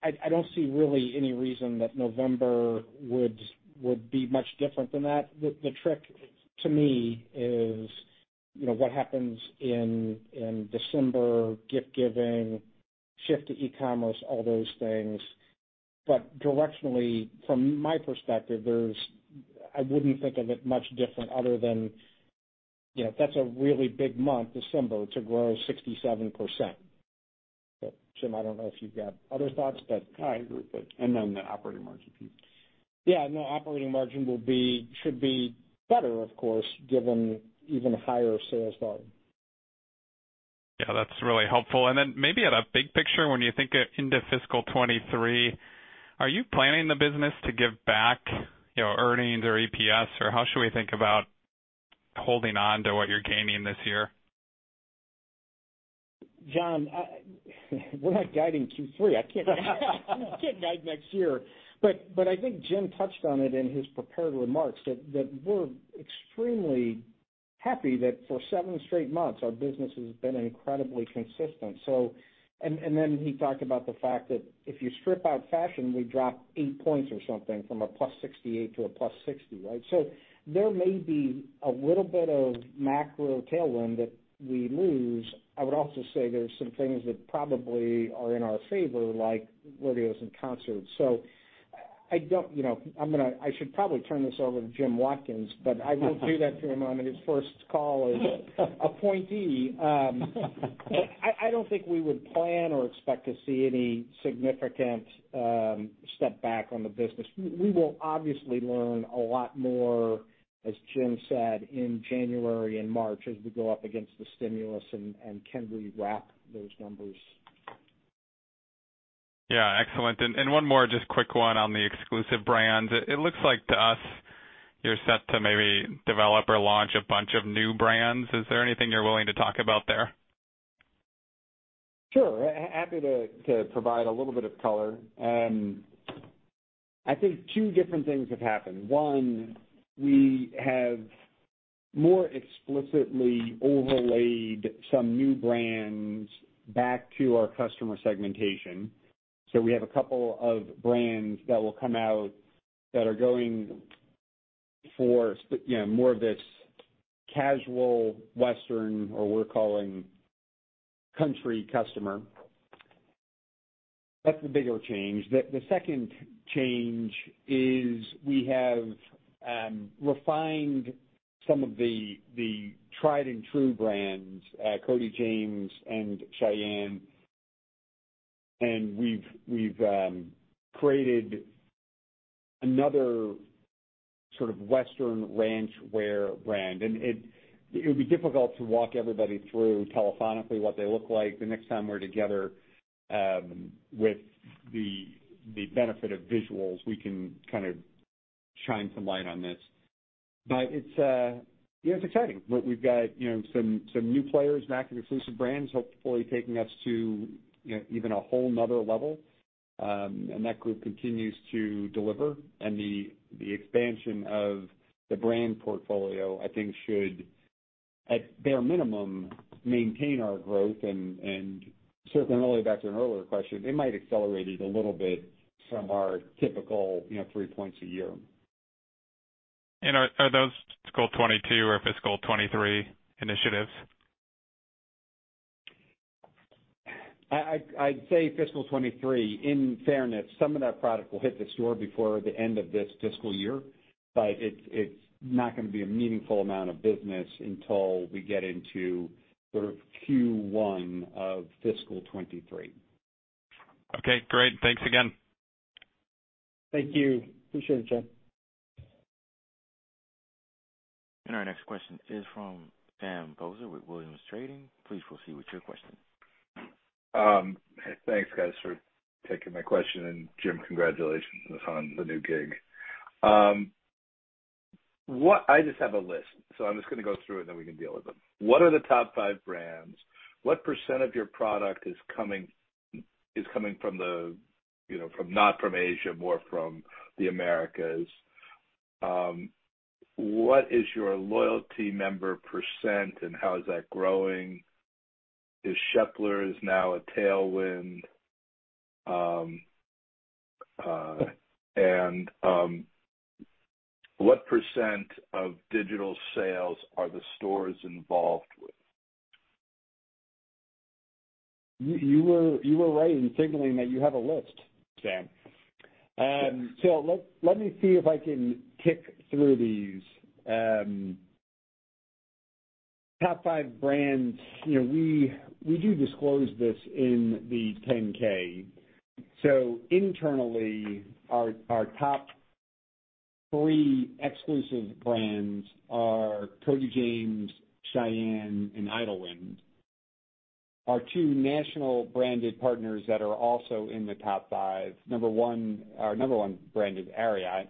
I don't see really any reason that November would be much different than that. The trick to me is, you know, what happens in December, gift-giving, shift to e-commerce, all those things. But directionally, from my perspective, I wouldn't think of it much different other than, you know, that's a really big month, December, to grow 67%. Jim, I don't know if you've got other thoughts. I agree with that. The operating margin piece. Yeah, no, operating margin should be better, of course, given even higher sales volume. Yeah, that's really helpful. Maybe at a big picture, when you think into fiscal 2023, are you planning the business to give back, you know, earnings or EPS, or how should we think about holding on to what you're gaining this year? Jon, we're not guiding Q3. I can't guide next year. I think Jim touched on it in his prepared remarks that we're extremely happy that for seven straight months, our business has been incredibly consistent. Then he talked about the fact that if you strip out fashion, we drop 8 points or something from a +68 to a +60, right? There may be a little bit of macro tailwind that we lose. I would also say there's some things that probably are in our favor, like rodeos and concerts. I don't know. You know, I should probably turn this over to Jim Watkins, but I won't do that to him on his first call as appointee. I don't think we would plan or expect to see any significant step back on the business. We will obviously learn a lot more, as Jim said, in January and March as we go up against the stimulus and can we wrap those numbers. Yeah. Excellent. One more, just quick one on the exclusive brands. It looks like to us you're set to maybe develop or launch a bunch of new brands. Is there anything you're willing to talk about there? Sure. Happy to provide a little bit of color. I think two different things have happened. One, we have more explicitly overlaid some new brands back to our customer segmentation. We have a couple of brands that will come out that are going for you know, more of this casual Western, or we're calling country customer. That's the bigger change. The second change is we have refined some of the tried and true brands, Cody James and Shyanne, and we've created another sort of western ranch wear brand. It would be difficult to walk everybody through telephonically what they look like. The next time we're together, with the benefit of visuals, we can kind of shine some light on this. Yeah, it's exciting. We've got, you know, some new players back in exclusive brands, hopefully taking us to, you know, even whole another level. That group continues to deliver. The expansion of the brand portfolio, I think should, at bare minimum, maintain our growth. Circling really back to an earlier question, it might accelerate it a little bit from our typical, you know, three points a year. Are those fiscal 2022 or fiscal 2023 initiatives? I'd say fiscal 2023. In fairness, some of that product will hit the store before the end of this fiscal year, but it's not gonna be a meaningful amount of business until we get into sort of Q1 of fiscal 2023. Okay, great. Thanks again. Thank you. Appreciate it, Jon. Our next question is from Sam Poser with Williams Trading. Please proceed with your question. Thanks guys for taking my question. Jim, congratulations on the new gig. I just have a list. I'm just gonna go through and then we can deal with them. What are the top five brands? What percent of your product is coming, you know, not from Asia, more from the Americas? What is your loyalty member percent, and how is that growing? Is Sheplers now a tailwind? What percent of digital sales are the stores involved with? You were right in signaling that you have a list, Sam. Let me see if I can pick through these. Top five brands. You know, we do disclose this in the 10-K. Internally, our top three exclusive brands are Cody James, Shyanne and Idyllwind. Our two national branded partners that are also in the top five, number one, our number one brand is Ariat,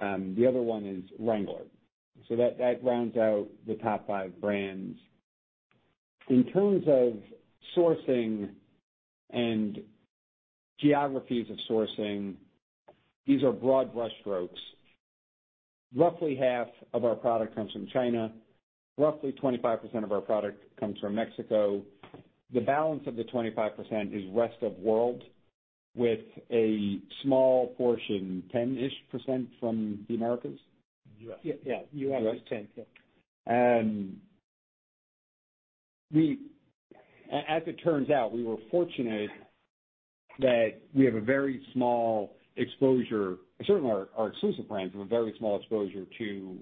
the other one is Wrangler. That rounds out the top five brands. In terms of sourcing and geographies of sourcing, these are broad brush strokes. Roughly half of our product comes from China. Roughly 25% of our product comes from Mexico. The balance of the 25% is rest of world with a small portion, 10-ish% from the Americas. U.S. Yeah, U.S. is 10. As it turns out, we were fortunate that we have a very small exposure. Certainly our exclusive brands have a very small exposure to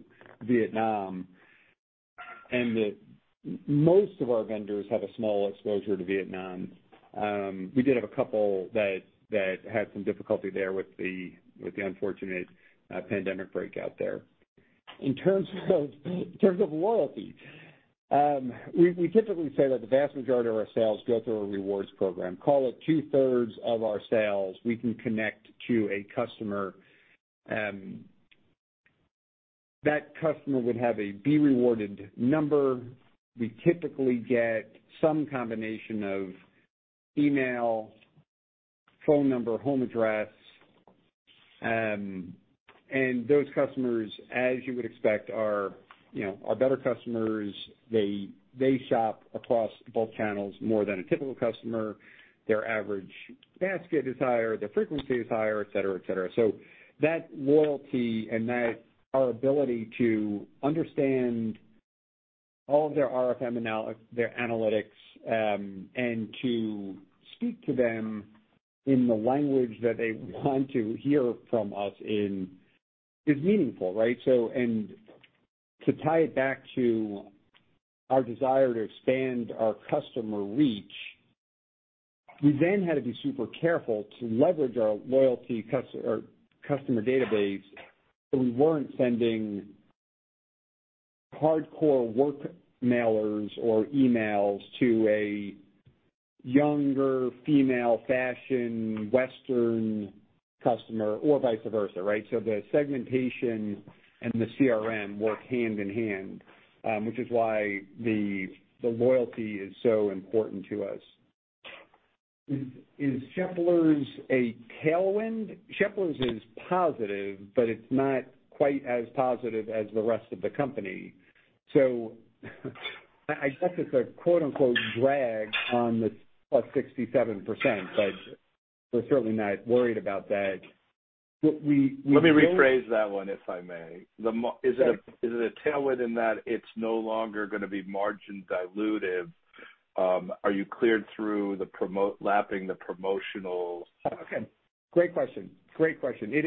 Vietnam, and most of our vendors have a small exposure to Vietnam. We did have a couple that had some difficulty there with the unfortunate pandemic breakout there. In terms of loyalty, we typically say that the vast majority of our sales go through a rewards program. Call it two-thirds of our sales, we can connect to a customer. That customer would have a rewards number. We typically get some combination of email, phone number, home address, and those customers, as you would expect, you know, are better customers. They shop across both channels more than a typical customer. Their average basket is higher, their frequency is higher, et cetera, et cetera. That loyalty and our ability to understand all of their RFM, their analytics, and to speak to them in the language that they want to hear from us in, is meaningful, right? To tie it back to our desire to expand our customer reach, we then had to be super careful to leverage our loyalty or customer database, so we weren't sending hardcore work mailers or emails to a younger female fashion western customer or vice versa, right? The segmentation and the CRM work hand in hand, which is why the loyalty is so important to us. Is Sheplers a tailwind? Sheplers is positive, but it's not quite as positive as the rest of the company. I guess it's a quote-unquote, drag on the +67%, but we're certainly not worried about that. Let me rephrase that one, if I may. Sure. Is it a tailwind in that it's no longer gonna be margin dilutive? Are you clear through the promo lapping the promotional? Okay. Great question. It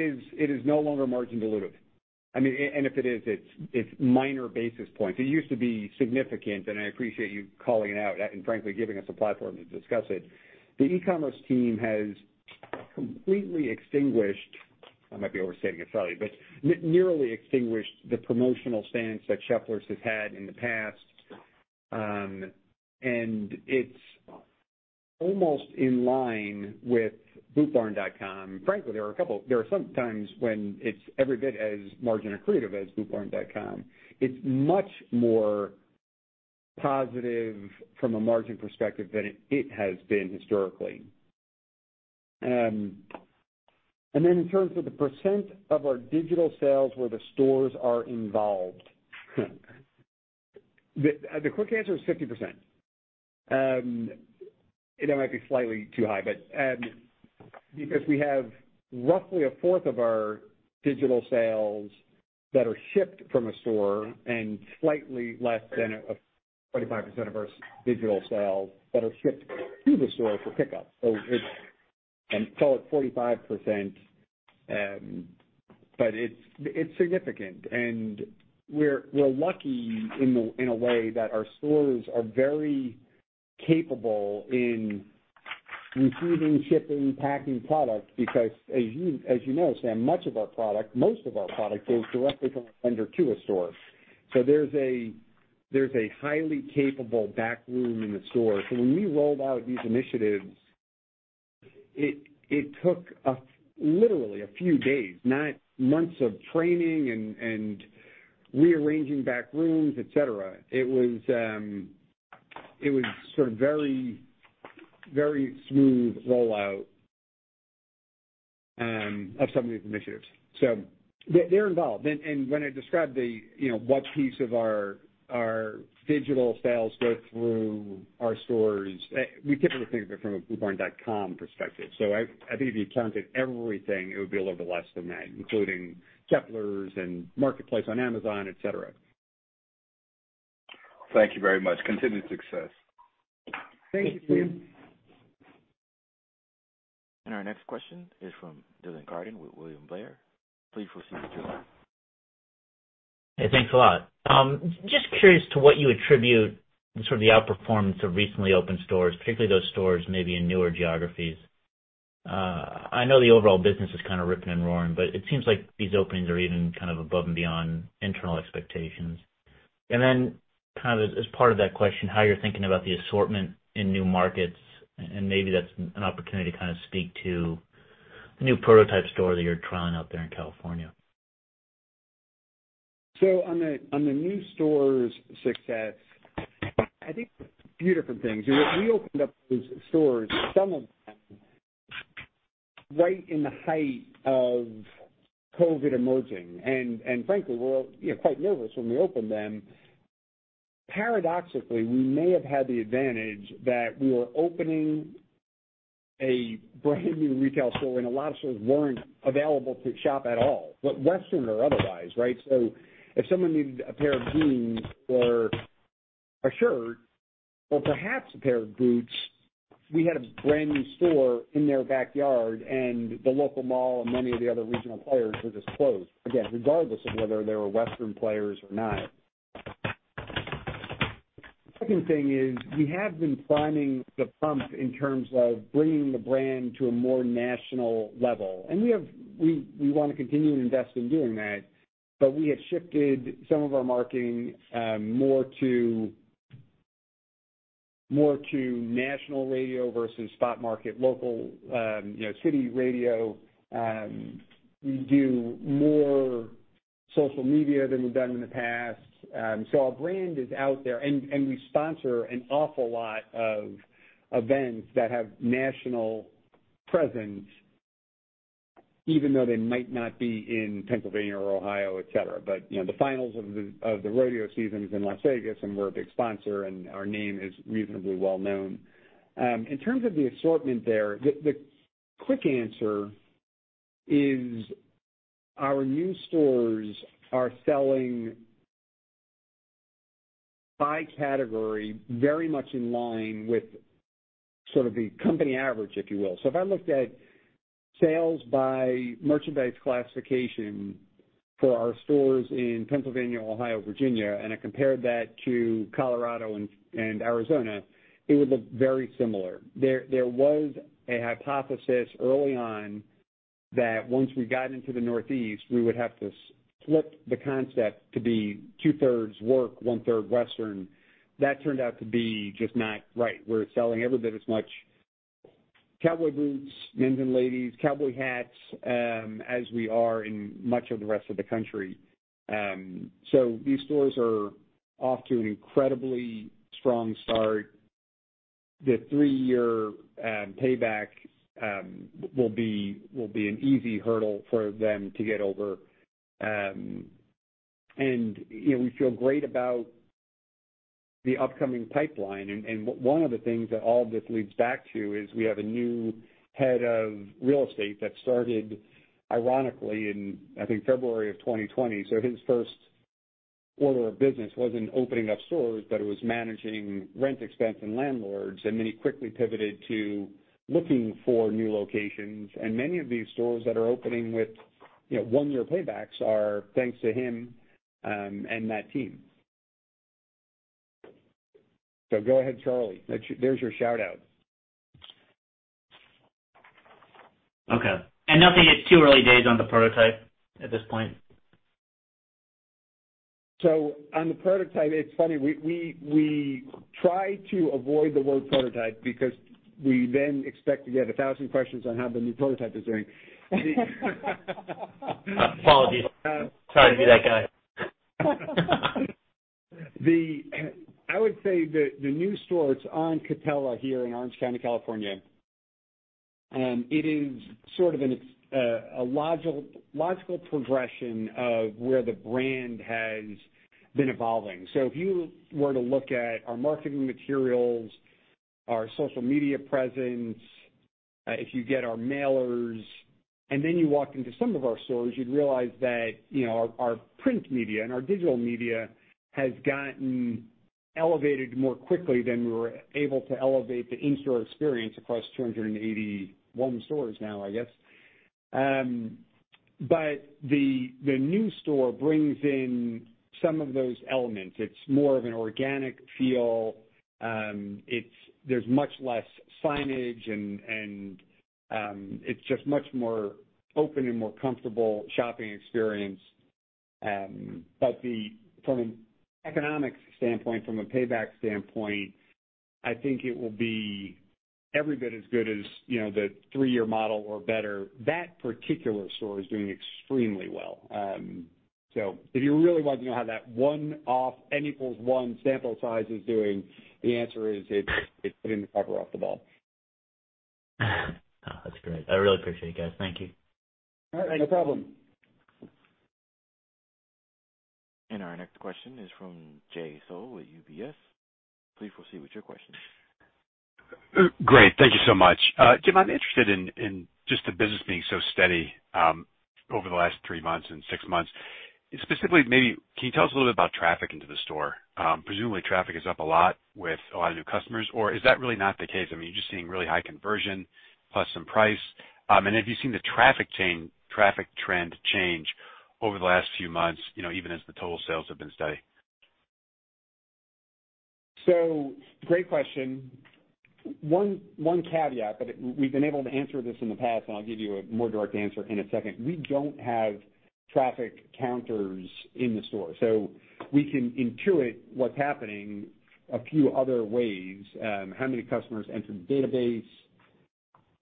is no longer margin dilutive. I mean, and if it is, it's minor basis points. It used to be significant, and I appreciate you calling it out and frankly giving us a platform to discuss it. The e-commerce team has completely extinguished, I might be overstating it, sorry, but nearly extinguished the promotional stance that Sheplers has had in the past. It's almost in line with bootbarn.com. Frankly, there are some times when it's every bit as margin accretive as bootbarn.com. It's much more positive from a margin perspective than it has been historically. In terms of the percent of our digital sales where the stores are involved, the quick answer is 50%. It might be slightly too high, but because we have roughly a fourth of our digital sales that are shipped from a store and slightly less than 25% of our digital sales that are shipped to the store for pickup. It's 45%, but it's significant. We're lucky in a way that our stores are very capable in receiving, shipping, packing product because as you know, Sam, much of our product, most of our product goes directly from a vendor to a store. There's a highly capable back room in the store. When we rolled out these initiatives, it took us literally a few days, not months of training and rearranging back rooms, et cetera. It was sort of very, very smooth rollout of some of these initiatives. They're involved. When I describe the, you know, what piece of our digital sales go through our stores, we typically think of it from a bootbarn.com perspective. I think if you counted everything, it would be a little bit less than that, including Sheplers and Marketplace on Amazon, et cetera. Thank you very much. Continued success. Thank you. Thank you. Our next question is from Dylan Carden with William Blair. Please proceed, Dylan. Hey, thanks a lot. Just curious to what you attribute the sort of outperformance of recently opened stores, particularly those stores maybe in newer geographies. I know the overall business is kind of ripping and roaring, but it seems like these openings are even kind of above and beyond internal expectations. Then kind of as part of that question, how you're thinking about the assortment in new markets, and maybe that's an opportunity to kind of speak to the new prototype store that you're trying out there in California. On the new stores success, I think a few different things. We opened up those stores, some of them right in the height of COVID emerging, and frankly, we were, you know, quite nervous when we opened them. Paradoxically, we may have had the advantage that we were opening a brand new retail store and a lot of stores weren't available to shop at all, western or otherwise, right? If someone needed a pair of jeans or a shirt or perhaps a pair of boots, we had a brand new store in their backyard and the local mall and many of the other regional players were just closed, again, regardless of whether they were western players or not. Second thing is we have been priming the pump in terms of bringing the brand to a more national level. We wanna continue to invest in doing that. We have shifted some of our marketing more to national radio versus spot market, local, you know, city radio. We do more social media than we've done in the past. Our brand is out there and we sponsor an awful lot of events that have national presence, even though they might not be in Pennsylvania or Ohio, et cetera. You know, the finals of the rodeo season's in Las Vegas, and we're a big sponsor and our name is reasonably well known. In terms of the assortment there, the quick answer is our new stores are selling by category very much in line with sort of the company average, if you will. If I looked at sales by merchandise classification for our stores in Pennsylvania, Ohio, Virginia, and I compared that to Colorado and Arizona, it would look very similar. There was a hypothesis early on that once we got into the Northeast, we would have to split the concept to be two-thirds work, one-third western. That turned out to be just not right. We're selling every bit as much cowboy boots, men's and ladies' cowboy hats, as we are in much of the rest of the country. These stores are off to an incredibly strong start. The three-year payback will be an easy hurdle for them to get over. You know, we feel great about the upcoming pipeline. One of the things that all of this leads back to is we have a new head of real estate that started ironically in, I think, February of 2020. His first order of business wasn't opening up stores, but it was managing rent expense and landlords. He quickly pivoted to looking for new locations. Many of these stores that are opening with, you know, one-year paybacks are thanks to him and that team. Go ahead, Charlie. That's your shout out. Okay. Nothing, it's too early days on the prototype at this point? On the prototype, it's funny, we try to avoid the word prototype because we then expect to get 1,000 questions on how the new prototype is doing. Apologies. Sorry to be that guy. I would say the new store, it's on Katella here in Orange County, California. It is sort of a logical progression of where the brand has been evolving. If you were to look at our marketing materials, our social media presence, if you get our mailers and then you walk into some of our stores, you'd realize that, you know, our print media and our digital media has gotten elevated more quickly than we were able to elevate the in-store experience across 281 stores now, I guess. The new store brings in some of those elements. It's more of an organic feel. There's much less signage and it's just much more open and more comfortable shopping experience. From an economics standpoint, from a payback standpoint, I think it will be every bit as good as, you know, the three-year model or better. That particular store is doing extremely well. If you really want to know how that one-off, N equals one sample size is doing, the answer is it's hitting the cover off the ball. Oh, that's great. I really appreciate it, guys. Thank you. All right. No problem. Our next question is from Jay Sole with UBS. Please proceed with your question. Great. Thank you so much. Jim, I'm interested in just the business being so steady over the last three months and six months. Specifically, maybe can you tell us a little bit about traffic into the store? Presumably traffic is up a lot with a lot of new customers. Or is that really not the case? I mean, are you just seeing really high conversion plus some price? Have you seen the traffic trend change over the last few months, you know, even as the total sales have been steady? Great question. One caveat, but we've been able to answer this in the past, and I'll give you a more direct answer in a second. We don't have traffic counters in the store, so we can intuit what's happening a few other ways. How many customers enter the database?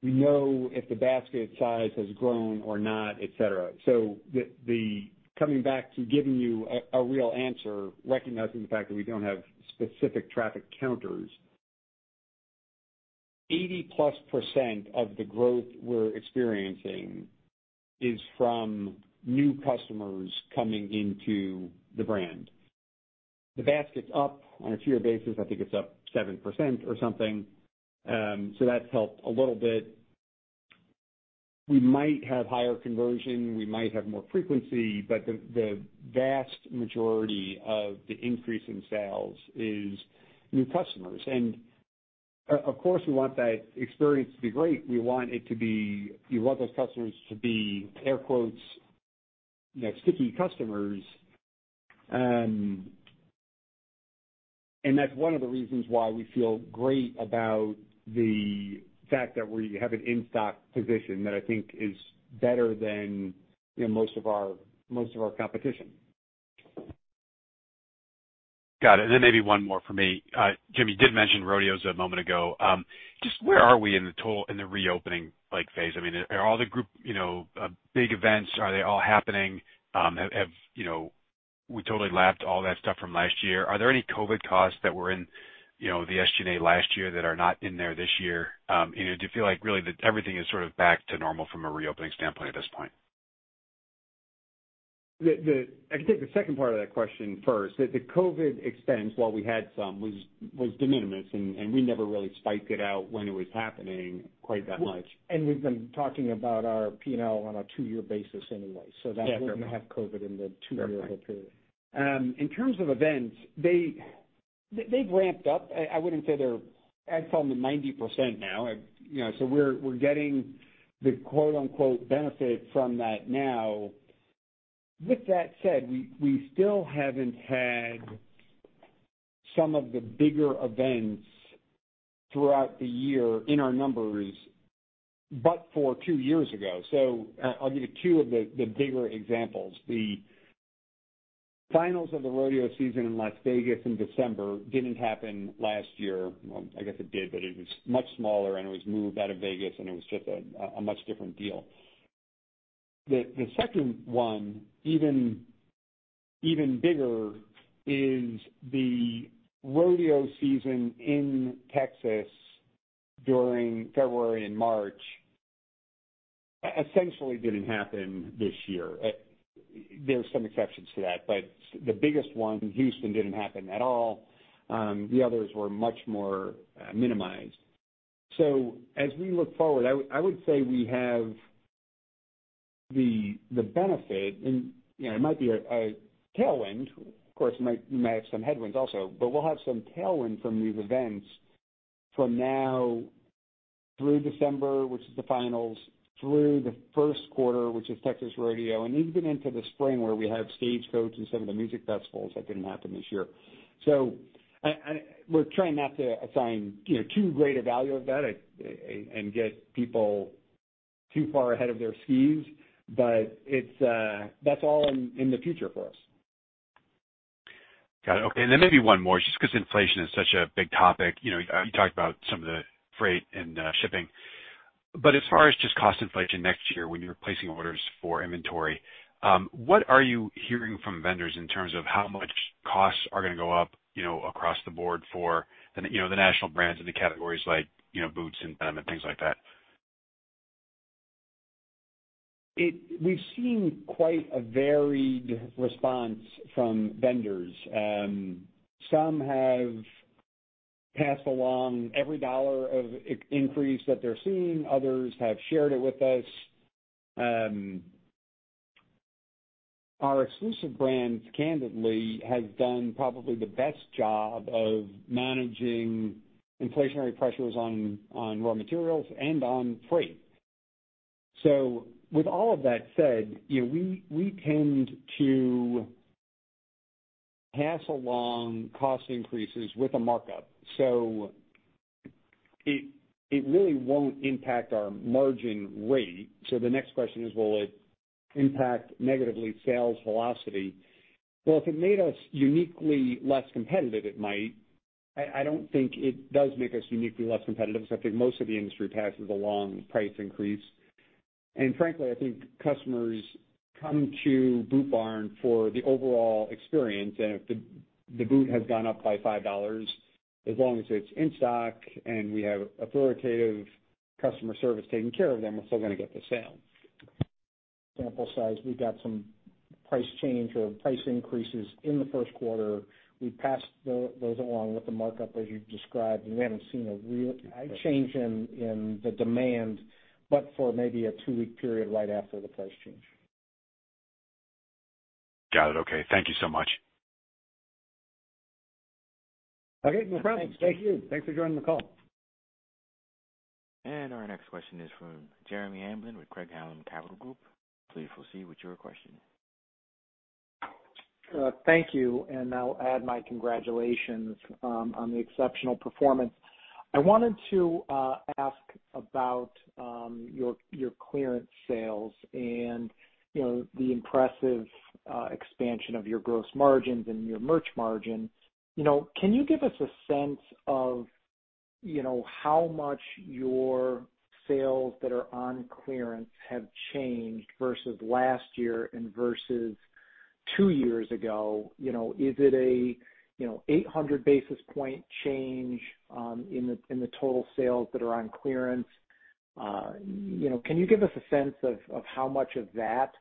We know if the basket size has grown or not, et cetera. Coming back to giving you a real answer, recognizing the fact that we don't have specific traffic counters, 80%+ of the growth we're experiencing is from new customers coming into the brand. The basket's up on a two-year basis. I think it's up 7% or something. That's helped a little bit. We might have higher conversion, we might have more frequency, but the vast majority of the increase in sales is new customers. Of course, we want that experience to be great. We want those customers to be, air quotes, you know, sticky customers. That's one of the reasons why we feel great about the fact that we have an in-stock position that I think is better than, you know, most of our competition. Got it. Maybe one more for me. Jim, you did mention rodeos a moment ago. Just where are we in the reopening, like, phase? I mean, are all the group, you know, big events, are they all happening? Have we totally lapped all that stuff from last year? Are there any COVID costs that were in, you know, the SG&A last year that are not in there this year? Do you feel like really that everything is sort of back to normal from a reopening standpoint at this point? I can take the second part of that question first. The COVID expense, while we had some, was de minimis, and we never really spiked it out when it was happening quite that much. We've been talking about our P&L on a two-year basis anyway, so that wouldn't have COVID in the two-year period. In terms of events, they've ramped up. I wouldn't say they're at 100% now. You know, we're getting the quote-unquote benefit from that now. With that said, we still haven't had some of the bigger events throughout the year in our numbers, but that was two years ago. I'll give you two of the bigger examples. The finals of the rodeo season in Las Vegas in December didn't happen last year. Well, I guess it did, but it was much smaller, and it was moved out of Vegas, and it was just a much different deal. The second one, even bigger, is the rodeo season in Texas during February and March essentially didn't happen this year. There are some exceptions to that, but the biggest one in Houston didn't happen at all. The others were much more minimized. As we look forward, I would say we have the benefit, and, you know, it might be a tailwind, of course, you might, you may have some headwinds also, but we'll have some tailwind from these events from now through December, which is the finals, through the first quarter, which is Texas Rodeo, and even into the spring where we have Stagecoach and some of the music festivals that didn't happen this year. We're trying not to assign, you know, too great a value of that and get people too far ahead of their skis, but that's all in the future for us. Got it. Okay. Maybe one more just 'cause inflation is such a big topic. You know, you talked about some of the freight and shipping. As far as just cost inflation next year when you're placing orders for inventory, what are you hearing from vendors in terms of how much costs are gonna go up, you know, across the board for, you know, the national brands and the categories like, you know, boots and denim and things like that? We've seen quite a varied response from vendors. Some have passed along every dollar of increase that they're seeing. Others have shared it with us. Our exclusive brands, candidly, have done probably the best job of managing inflationary pressures on raw materials and on freight. With all of that said, you know, we tend to pass along cost increases with a markup, so it really won't impact our margin rate. The next question is, will it impact negatively sales velocity? Well, if it made us uniquely less competitive, it might. I don't think it does make us uniquely less competitive because I think most of the industry passes along price increase. Frankly, I think customers come to Boot Barn for the overall experience. If the boot has gone up by $5, as long as it's in stock and we have authoritative customer service taking care of them, we're still gonna get the sale. Sample size, we got some price change or price increases in the first quarter. We passed those along with the markup, as you described, and we haven't seen a real change in the demand, but for maybe a two-week period right after the price change. Got it. Okay. Thank you so much. Okay. No problem. Thank you. Thanks for joining the call. Our next question is from Jeremy Hamblin with Craig-Hallum Capital Group. Please proceed with your question. Thank you, and I'll add my congratulations on the exceptional performance. I wanted to ask about your clearance sales and, you know, the impressive expansion of your gross margins and your merch margin. You know, can you give us a sense of, you know, how much your sales that are on clearance have changed versus last year and versus two years ago? You know, is it a, you know, 800-basis-point change in the total sales that are on clearance? You know, can you give us a sense of how much of that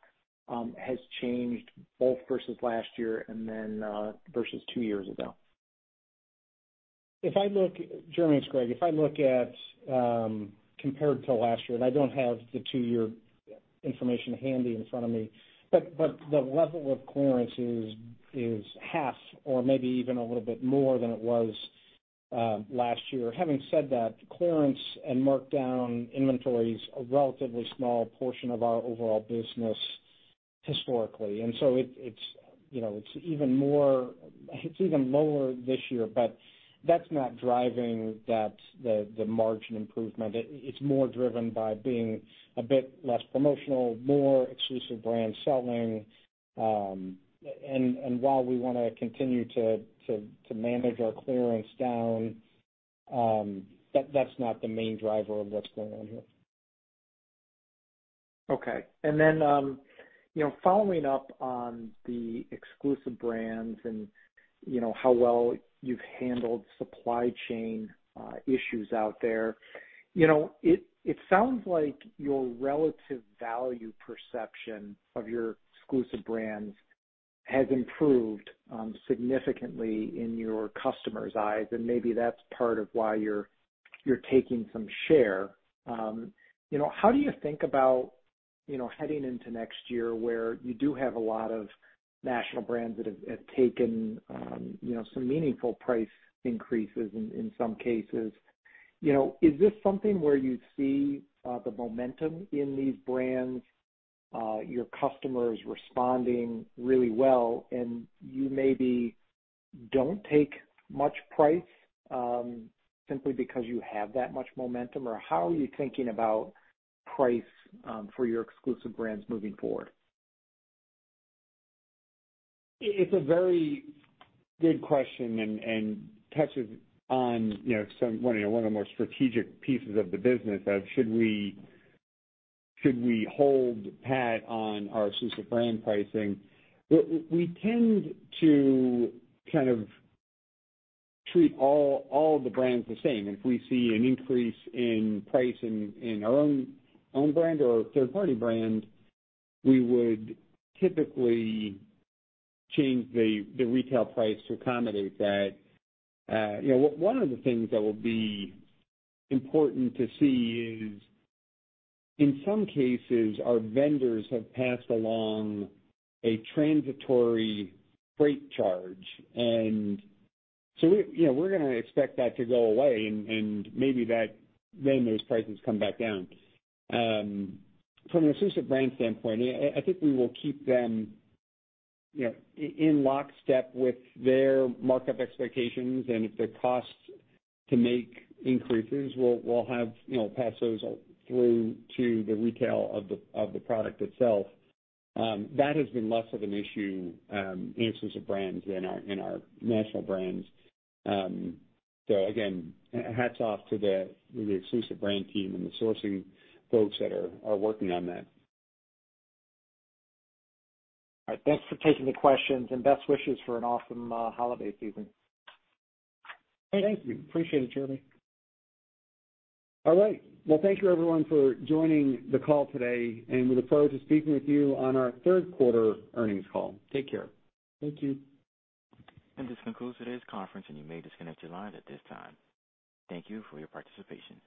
has changed both versus last year and then versus two years ago? Jeremy, it's Greg. If I look at compared to last year, and I don't have the two-year information handy in front of me, but the level of clearance is half or maybe even a little bit more than it was last year. Having said that, clearance and markdown inventories are a relatively small portion of our overall business historically, and so it's, you know, even lower this year. That's not driving the margin improvement. It's more driven by being a bit less promotional, more exclusive brand-selling. While we want to continue to manage our clearance down, that's not the main driver of what's going on here. Okay. Following up on the exclusive brands and, you know, how well you've handled supply chain issues out there. You know, it sounds like your relative value perception of your exclusive brands has improved significantly in your customers' eyes, and maybe that's part of why you're taking some share. You know, how do you think about, you know, heading into next year where you do have a lot of national brands that have taken, you know, some meaningful price increases in some cases? You know, is this something where you see the momentum in these brands, your customers responding really well and you maybe don't take much price simply because you have that much momentum, or how are you thinking about price for your exclusive brands moving forward? It's a very good question and touches on, you know, one of the more strategic pieces of the business of should we hold pat on our exclusive brand pricing. We tend to kind of treat all the brands the same. If we see an increase in price in our own brand or a third-party brand, we would typically change the retail price to accommodate that. You know, one of the things that will be important to see is, in some cases, our vendors have passed along a transitory freight charge. We're gonna expect that to go away and maybe then those prices come back down. From an exclusive brand standpoint, I think we will keep them, you know, in lockstep with their markup expectations, and if their costs to make increases, we'll have, you know, pass those through to the retail of the product itself. That has been less of an issue in exclusive brands than our national brands. Again, hats off to the exclusive brand team and the sourcing folks that are working on that. All right. Thanks for taking the questions and best wishes for an awesome holiday season. Thank you. Appreciate it, Jeremy. All right. Well, thank you everyone for joining the call today, and we look forward to speaking with you on our third quarter earnings call. Take care. Thank you. This concludes today's conference, and you may disconnect your lines at this time. Thank you for your participation.